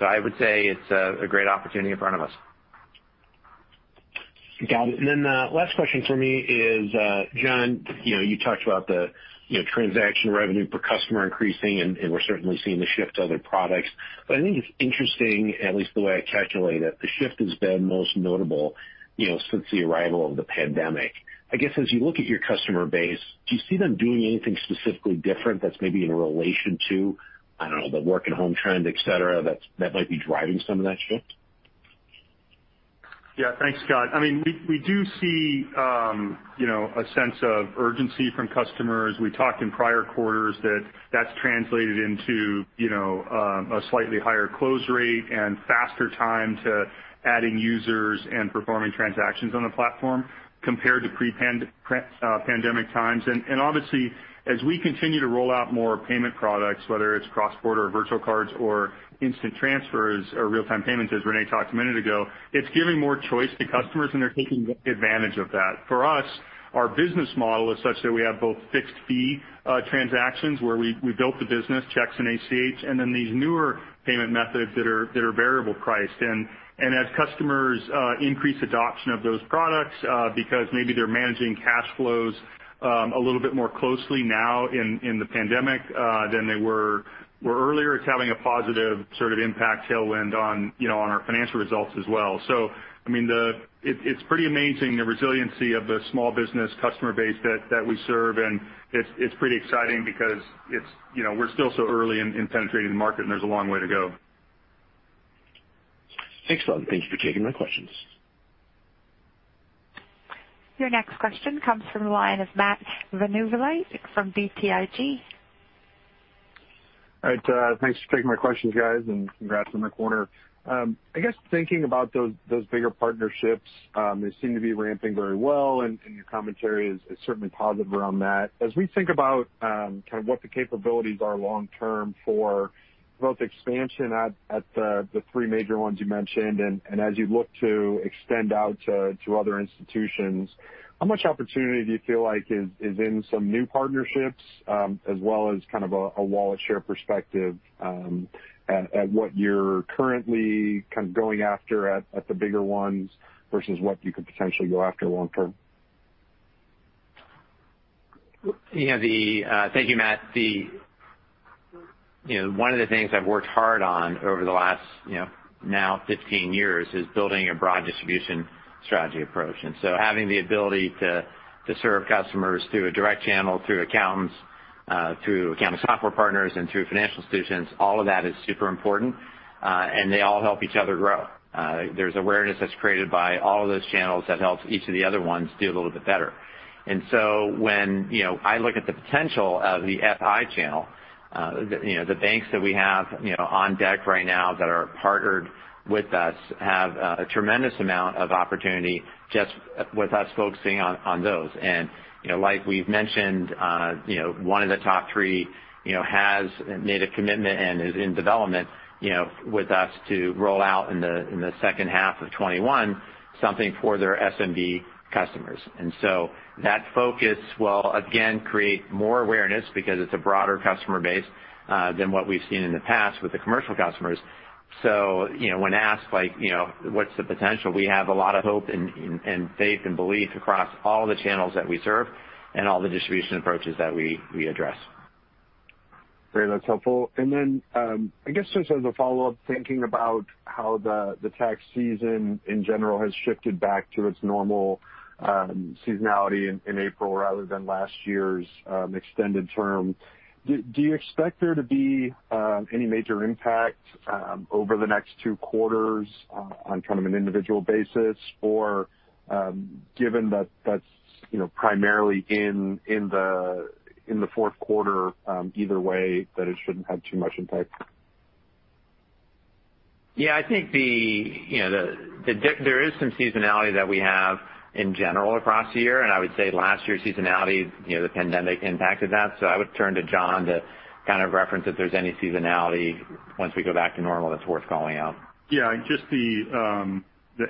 I would say it's a great opportunity in front of us. Got it. Last question from me is, John, you talked about the transaction revenue per customer increasing. We're certainly seeing the shift to other products, I think it's interesting, at least the way I calculate it, the shift has been most notable since the arrival of the pandemic. I guess as you look at your customer base, do you see them doing anything specifically different that's maybe in relation to, I don't know, the work-at-home trend, et cetera, that might be driving some of that shift? Yeah, thanks, Scott. We do see a sense of urgency from customers. We talked in prior quarters that that's translated into a slightly higher close rate and faster time to adding users and performing transactions on the platform compared to pre-pandemic times. Obviously, as we continue to roll out more payment products, whether it's cross-border virtual cards or Instant Transfers or real-time payments, as René talked a minute ago, it's giving more choice to customers, and they're taking advantage of that. For us, our business model is such that we have both fixed-fee transactions where we built the business, checks and ACH, and then these newer payment methods that are variable priced. As customers increase adoption of those products because maybe they're managing cash flows a little bit more closely now in the pandemic than they were earlier, it's having a positive sort of impact tailwind on our financial results as well. It's pretty amazing the resiliency of the small business customer base that we serve, and it's pretty exciting because we're still so early in penetrating the market, and there's a long way to go. Thanks a lot. Thank you for taking my questions. Your next question comes from the line of Matt VanVliet from BTIG. All right, thanks for taking my questions, guys, and congrats on the quarter. I guess thinking about those bigger partnerships, they seem to be ramping very well, and your commentary is certainly positive around that. We think about kind of what the capabilities are long term for both expansion at the three major ones you mentioned and as you look to extend out to other institutions, how much opportunity do you feel like is in some new partnerships, as well as kind of a wallet share perspective at what you're currently kind of going after at the bigger ones versus what you could potentially go after long term? Thank you, Matt. One of the things I've worked hard on over the last now 15 years is building a broad distribution strategy approach. Having the ability to serve customers through a direct channel, through accountants, through accounting software partners, and through financial institutions, all of that is super important, and they all help each other grow. There's awareness that's created by all of those channels that helps each of the other ones do a little bit better. When I look at the potential of the FI channel, the banks that we have on deck right now that are partnered with us have a tremendous amount of opportunity just with us focusing on those. Like we've mentioned, one of the top three has made a commitment and is in development with us to roll out in the second half of 2021 something for their SMB customers. That focus will again create more awareness because it's a broader customer base than what we've seen in the past with the commercial customers. When asked what's the potential, we have a lot of hope and faith and belief across all the channels that we serve and all the distribution approaches that we address. Great. That's helpful. I guess just as a follow-up, thinking about how the tax season in general has shifted back to its normal seasonality in April rather than last year's extended term, do you expect there to be any major impact over the next two quarters on kind of an individual basis? Or given that that's primarily in the fourth quarter either way, that it shouldn't have too much impact? Yeah, I think there is some seasonality that we have in general across the year, and I would say last year's seasonality, the pandemic impacted that. I would turn to John to kind of reference if there's any seasonality once we go back to normal that's worth calling out. Yeah. Just the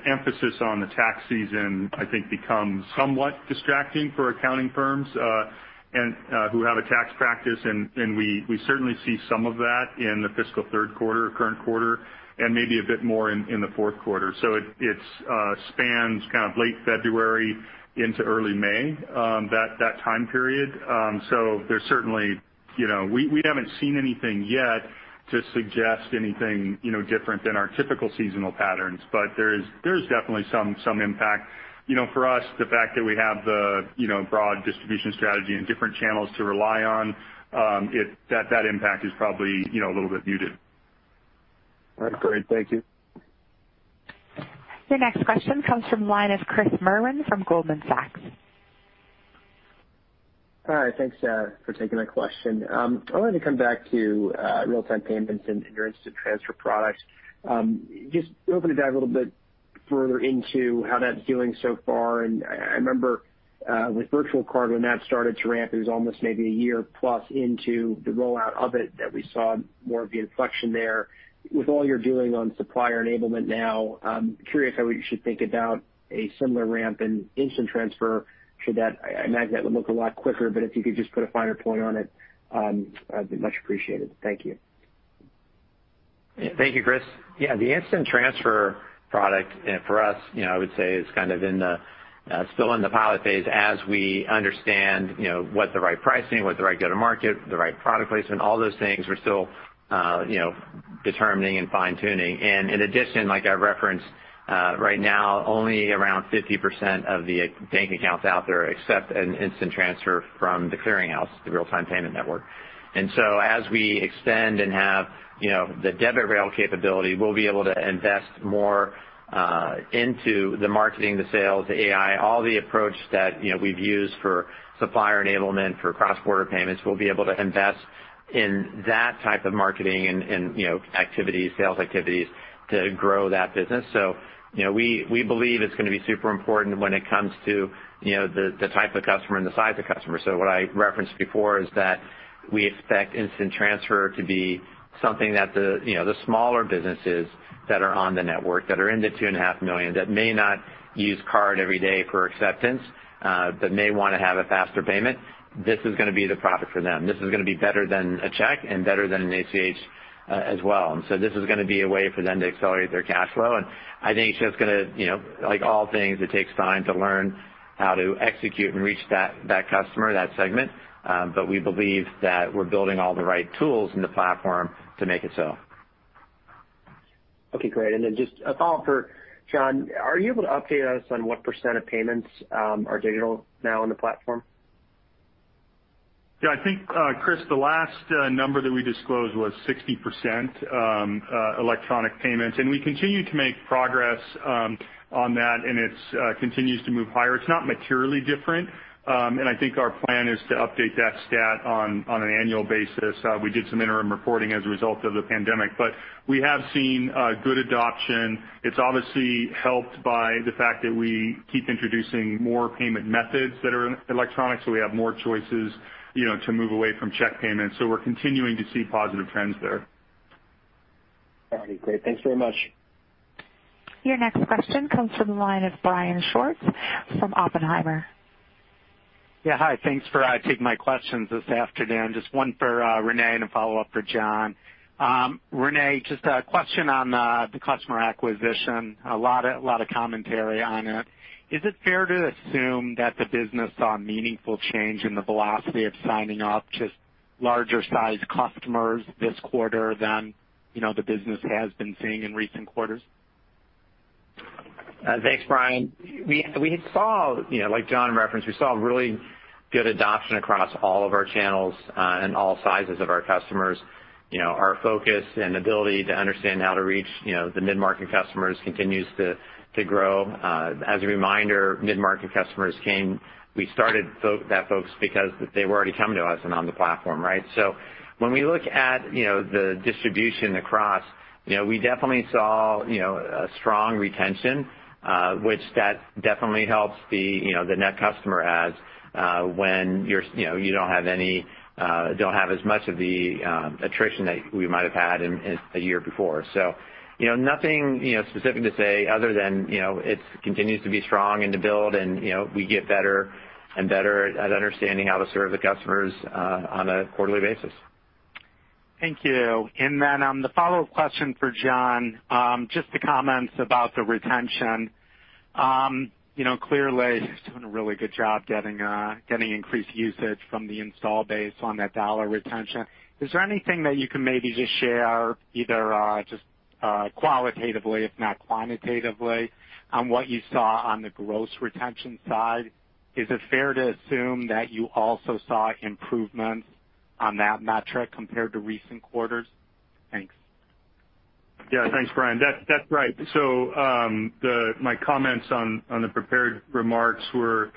emphasis on the tax season, I think, becomes somewhat distracting for accounting firms who have a tax practice. We certainly see some of that in the fiscal third quarter or current quarter, and maybe a bit more in the fourth quarter. It spans kind of late February into early May, that time period. We haven't seen anything yet to suggest anything different than our typical seasonal patterns, but there's definitely some impact. For us, the fact that we have the broad distribution strategy and different channels to rely on, that impact is probably a little bit muted. All right. Great. Thank you. Your next question comes from the line of Chris Merwin from Goldman Sachs. Hi. Thanks for taking my question. I wanted to come back to real-time payments and your Instant Transfer product. Just hoping to dive a little bit further into how that's doing so far. I remember with Virtual Card, when that started to ramp, it was almost maybe a year plus into the rollout of it that we saw more of the inflection there. With all you're doing on supplier enablement now, I'm curious how we should think about a similar ramp in Instant Transfer. I imagine that would look a lot quicker, if you could just put a finer point on it, I'd be much appreciated. Thank you. Thank you, Chris. Yeah, the Instant Transfer product for us, I would say, is kind of still in the pilot phase as we understand what the right pricing, what the right go-to-market, the right product placement, all those things we're still determining and fine-tuning. In addition, like I referenced, right now only around 50% of the bank accounts out there accept an Instant Transfer from The Clearing House, the real-time payment network. As we extend and have the debit rail capability, we'll be able to invest more into the marketing, the sales, the AI, all the approach that we've used for supplier enablement, for cross-border payments. We'll be able to invest in that type of marketing and sales activities to grow that business. We believe it's going to be super important when it comes to the type of customer and the size of customer. What I referenced before is that we expect Instant Transfer to be something that the smaller businesses that are on the network, that are in the $2.5 million, that may not use card every day for acceptance, but may want to have a faster payment. This is going to be the product for them. This is going to be better than a check and better than an ACH as well. This is going to be a way for them to accelerate their cash flow. I think it's just going to, like all things, it takes time to learn how to execute and reach that customer, that segment. We believe that we're building all the right tools in the platform to make it so. Okay, great. Just a follow-up for John. Are you able to update us on what percent of payments are digital now on the platform? Yeah, I think, Chris, the last number that we disclosed was 60% electronic payments, and we continue to make progress on that, and it continues to move higher. It's not materially different. I think our plan is to update that stat on an annual basis. We did some interim reporting as a result of the pandemic, but we have seen good adoption. It's obviously helped by the fact that we keep introducing more payment methods that are electronic, so we have more choices to move away from check payments. We're continuing to see positive trends there. Okay, great. Thanks very much. Your next question comes from the line of Brian Schwartz from Oppenheimer. Yeah, hi. Thanks for taking my questions this afternoon. Just one for René and a follow-up for John. René, just a question on the customer acquisition. A lot of commentary on it. Is it fair to assume that the business saw a meaningful change in the velocity of signing up just larger-sized customers this quarter than the business has been seeing in recent quarters? Thanks, Brian. Like John referenced, we saw really good adoption across all of our channels and all sizes of our customers. Our focus and ability to understand how to reach the mid-market customers continues to grow. As a reminder, mid-market customers came. We started that folks because they were already coming to us and on the platform, right? When we look at the distribution across, we definitely saw a strong retention, which that definitely helps the net customer adds when you don't have as much of the attrition that we might have had a year before. Nothing specific to say other than it continues to be strong and to build and we get better and better at understanding how to serve the customers on a quarterly basis. Thank you. The follow-up question for John, just the comments about the retention. Clearly, you're doing a really good job getting increased usage from the install base on that dollar retention. Is there anything that you can maybe just share either just qualitatively, if not quantitatively, on what you saw on the gross retention side? Is it fair to assume that you also saw improvements on that metric compared to recent quarters? Thanks. Thanks, Brian. That's right. My comments on the prepared remarks were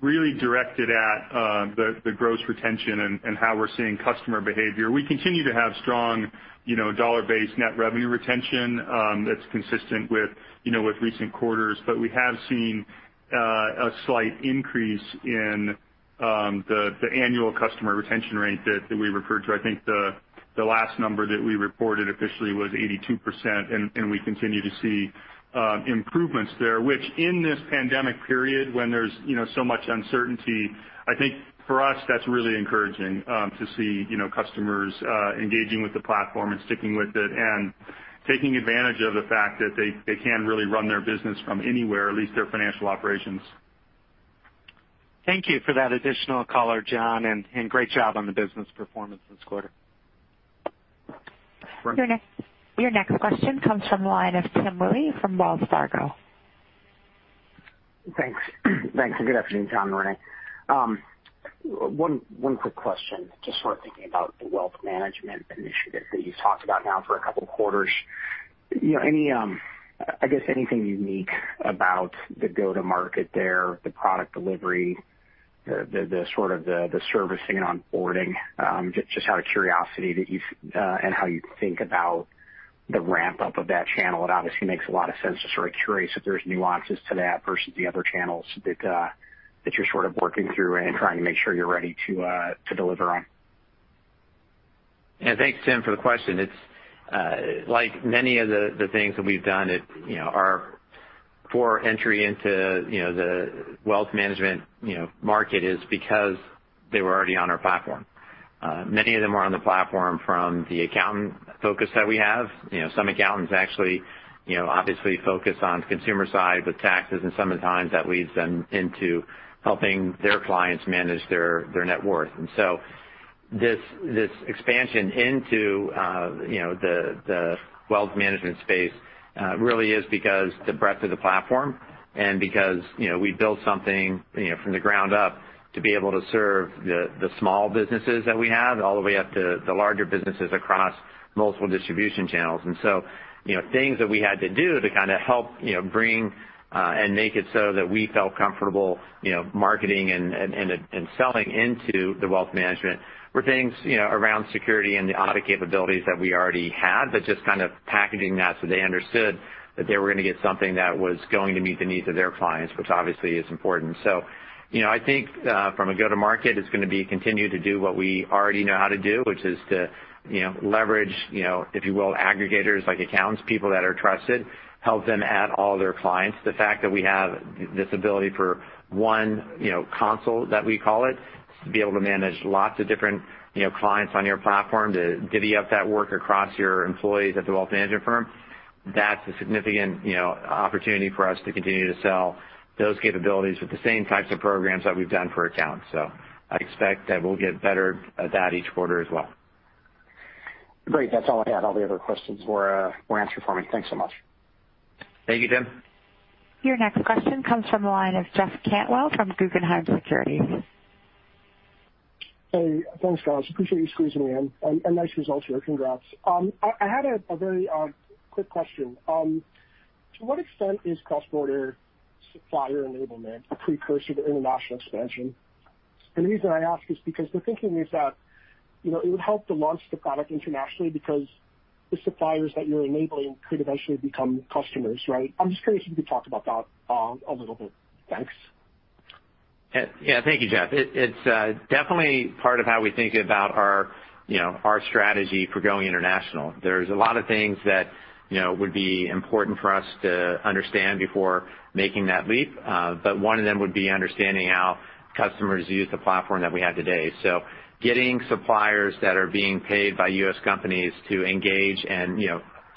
really directed at the gross retention and how we're seeing customer behavior. We continue to have strong dollar-based net revenue retention that's consistent with recent quarters. We have seen a slight increase in the annual customer retention rate that we referred to. I think the last number that we reported officially was 82%, and we continue to see improvements there, which in this pandemic period, when there's so much uncertainty, I think for us, that's really encouraging to see customers engaging with the platform and sticking with it and taking advantage of the fact that they can really run their business from anywhere, at least their financial operations. Thank you for that additional color, John, and great job on the business performance this quarter. Right. Your next question comes from the line of Tim Willi from Wells Fargo. Thanks. Thanks, and good afternoon, John and René. One quick question, just sort of thinking about the wealth management initiative that you've talked about now for a couple of quarters. I guess anything unique about the go-to market there, the product delivery, the sort of the servicing and onboarding, just out of curiosity, and how you think about the ramp-up of that channel. It obviously makes a lot of sense. Just sort of curious if there's nuances to that versus the other channels that you're sort of working through and trying to make sure you're ready to deliver on. Yeah. Thanks, Tim, for the question. It's like many of the things that we've done for entry into the wealth management market is because they were already on our platform. Many of them are on the platform from the accountant focus that we have. Some accountants actually obviously focus on consumer side with taxes, sometimes that leads them into helping their clients manage their net worth. This expansion into the wealth management space really is because the breadth of the platform and because we built something from the ground up to be able to serve the small businesses that we have all the way up to the larger businesses across multiple distribution channels. Things that we had to do to kind of help bring and make it so that we felt comfortable marketing and selling into the wealth management were things around security and the audit capabilities that we already had, but just kind of packaging that so they understood that they were going to get something that was going to meet the needs of their clients, which obviously is important. I think from a go-to market, it's going to be continue to do what we already know how to do, which is to leverage, if you will, aggregators like accountants, people that are trusted, help them add all their clients. The fact that we have this ability for one console, that we call it, to be able to manage lots of different clients on your platform, to divvy up that work across your employees at the wealth management firm, that's a significant opportunity for us to continue to sell those capabilities with the same types of programs that we've done for accountants. I expect that we'll get better at that each quarter as well. Great. That's all I had. All the other questions were answered for me. Thanks so much. Thank you, Tim. Your next question comes from the line of Jeff Cantwell from Guggenheim Securities. Hey. Thanks, guys. Appreciate you squeezing me in, and nice results here. Congrats. I had a very quick question. To what extent is cross-border supplier enablement a precursor to international expansion? The reason I ask is because the thinking is that it would help to launch the product internationally because the suppliers that you're enabling could eventually become customers, right? I'm just curious if you could talk about that a little bit. Thanks. Thank you, Jeff. It's definitely part of how we think about our strategy for going international. There's a lot of things that would be important for us to understand before making that leap. One of them would be understanding how customers use the platform that we have today. Getting suppliers that are being paid by U.S. companies to engage and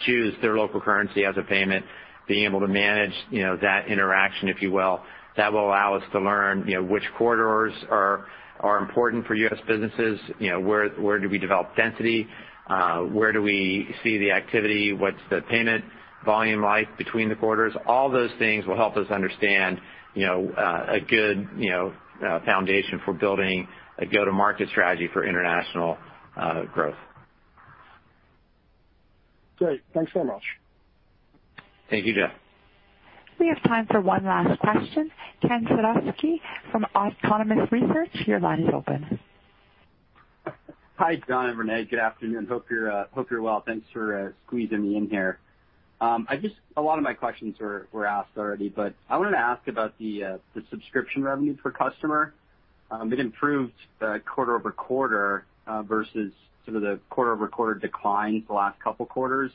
choose their local currency as a payment, being able to manage that interaction, if you will, that will allow us to learn which corridors are important for U.S. businesses. Where do we develop density? Where do we see the activity? What's the payment volume like between the corridors? All those things will help us understand a good foundation for building a go-to market strategy for international growth. Great. Thanks so much. Thank you, Jeff. We have time for one last question. Ken Suchoski from Autonomous Research, your line is open. Hi, John and René. Good afternoon. Hope you're well. Thanks for squeezing me in here. I guess a lot of my questions were asked already. I wanted to ask about the subscription revenue per customer. It improved quarter-over-quarter versus some of the quarter-over-quarter declines the last couple of quarters.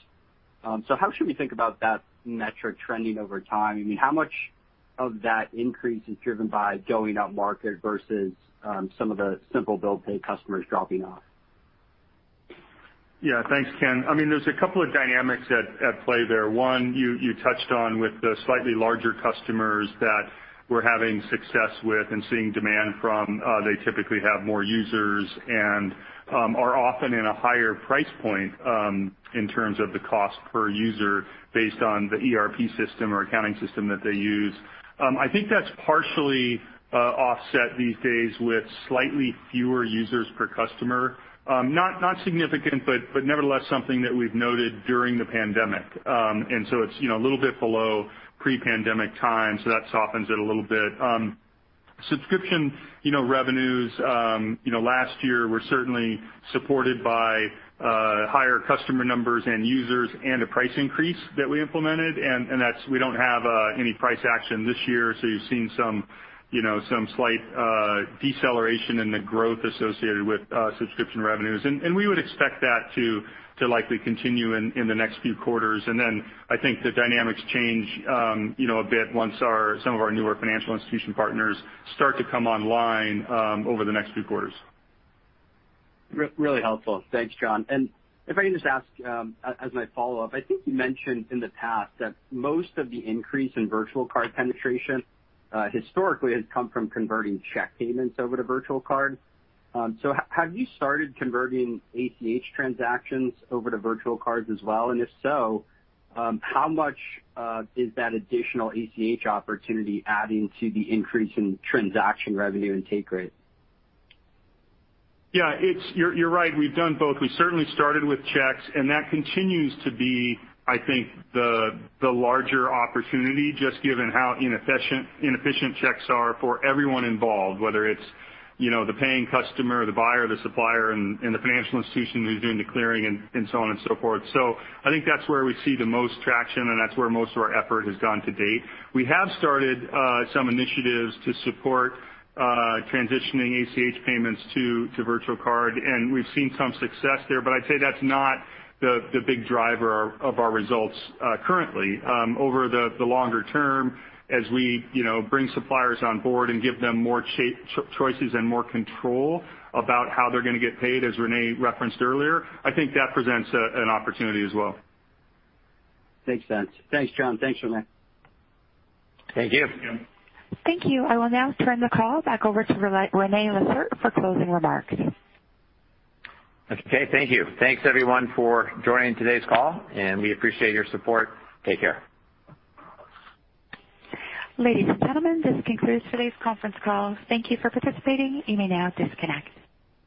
How should we think about that metric trending over time? I mean, how much of that increase is driven by going upmarket versus some of the simple bill pay customers dropping off? Yeah. Thanks, Ken. There's a couple of dynamics at play there. One, you touched on with the slightly larger customers that we're having success with and seeing demand from. They typically have more users and are often in a higher price point in terms of the cost per user based on the ERP system or accounting system that they use. I think that's partially offset these days with slightly fewer users per customer. Not significant, but nevertheless, something that we've noted during the pandemic. It's a little bit below pre-pandemic times, so that softens it a little bit. Subscription revenues last year were certainly supported by higher customer numbers and users and a price increase that we implemented, and we don't have any price action this year, so you're seeing some slight deceleration in the growth associated with subscription revenues. We would expect that to likely continue in the next few quarters. Then I think the dynamics change a bit once some of our newer financial institution partners start to come online over the next few quarters. Really helpful. Thanks, John. If I can just ask as my follow-up, I think you mentioned in the past that most of the increase in virtual card penetration historically has come from converting check payments over to virtual cards. Have you started converting ACH transactions over to virtual cards as well? If so, how much is that additional ACH opportunity adding to the increase in transaction revenue and take rate? Yeah. You're right, we've done both. We certainly started with checks, and that continues to be, I think, the larger opportunity, just given how inefficient checks are for everyone involved, whether it's the paying customer, the buyer, the supplier, and the financial institution who's doing the clearing and so on and so forth. I think that's where we see the most traction, and that's where most of our effort has gone to date. We have started some initiatives to support transitioning ACH payments to virtual card, and we've seen some success there. I'd say that's not the big driver of our results currently. Over the longer term, as we bring suppliers on board and give them more choices and more control about how they're going to get paid, as René referenced earlier, I think that presents an opportunity as well. Makes sense. Thanks, John. Thanks, René. Thank you. Thank you. Thank you. I will now turn the call back over to René Lacerte for closing remarks. Okay. Thank you. Thanks, everyone, for joining today's call, and we appreciate your support. Take care. Ladies and gentlemen, this concludes today's conference call. Thank you for participating. You may now disconnect.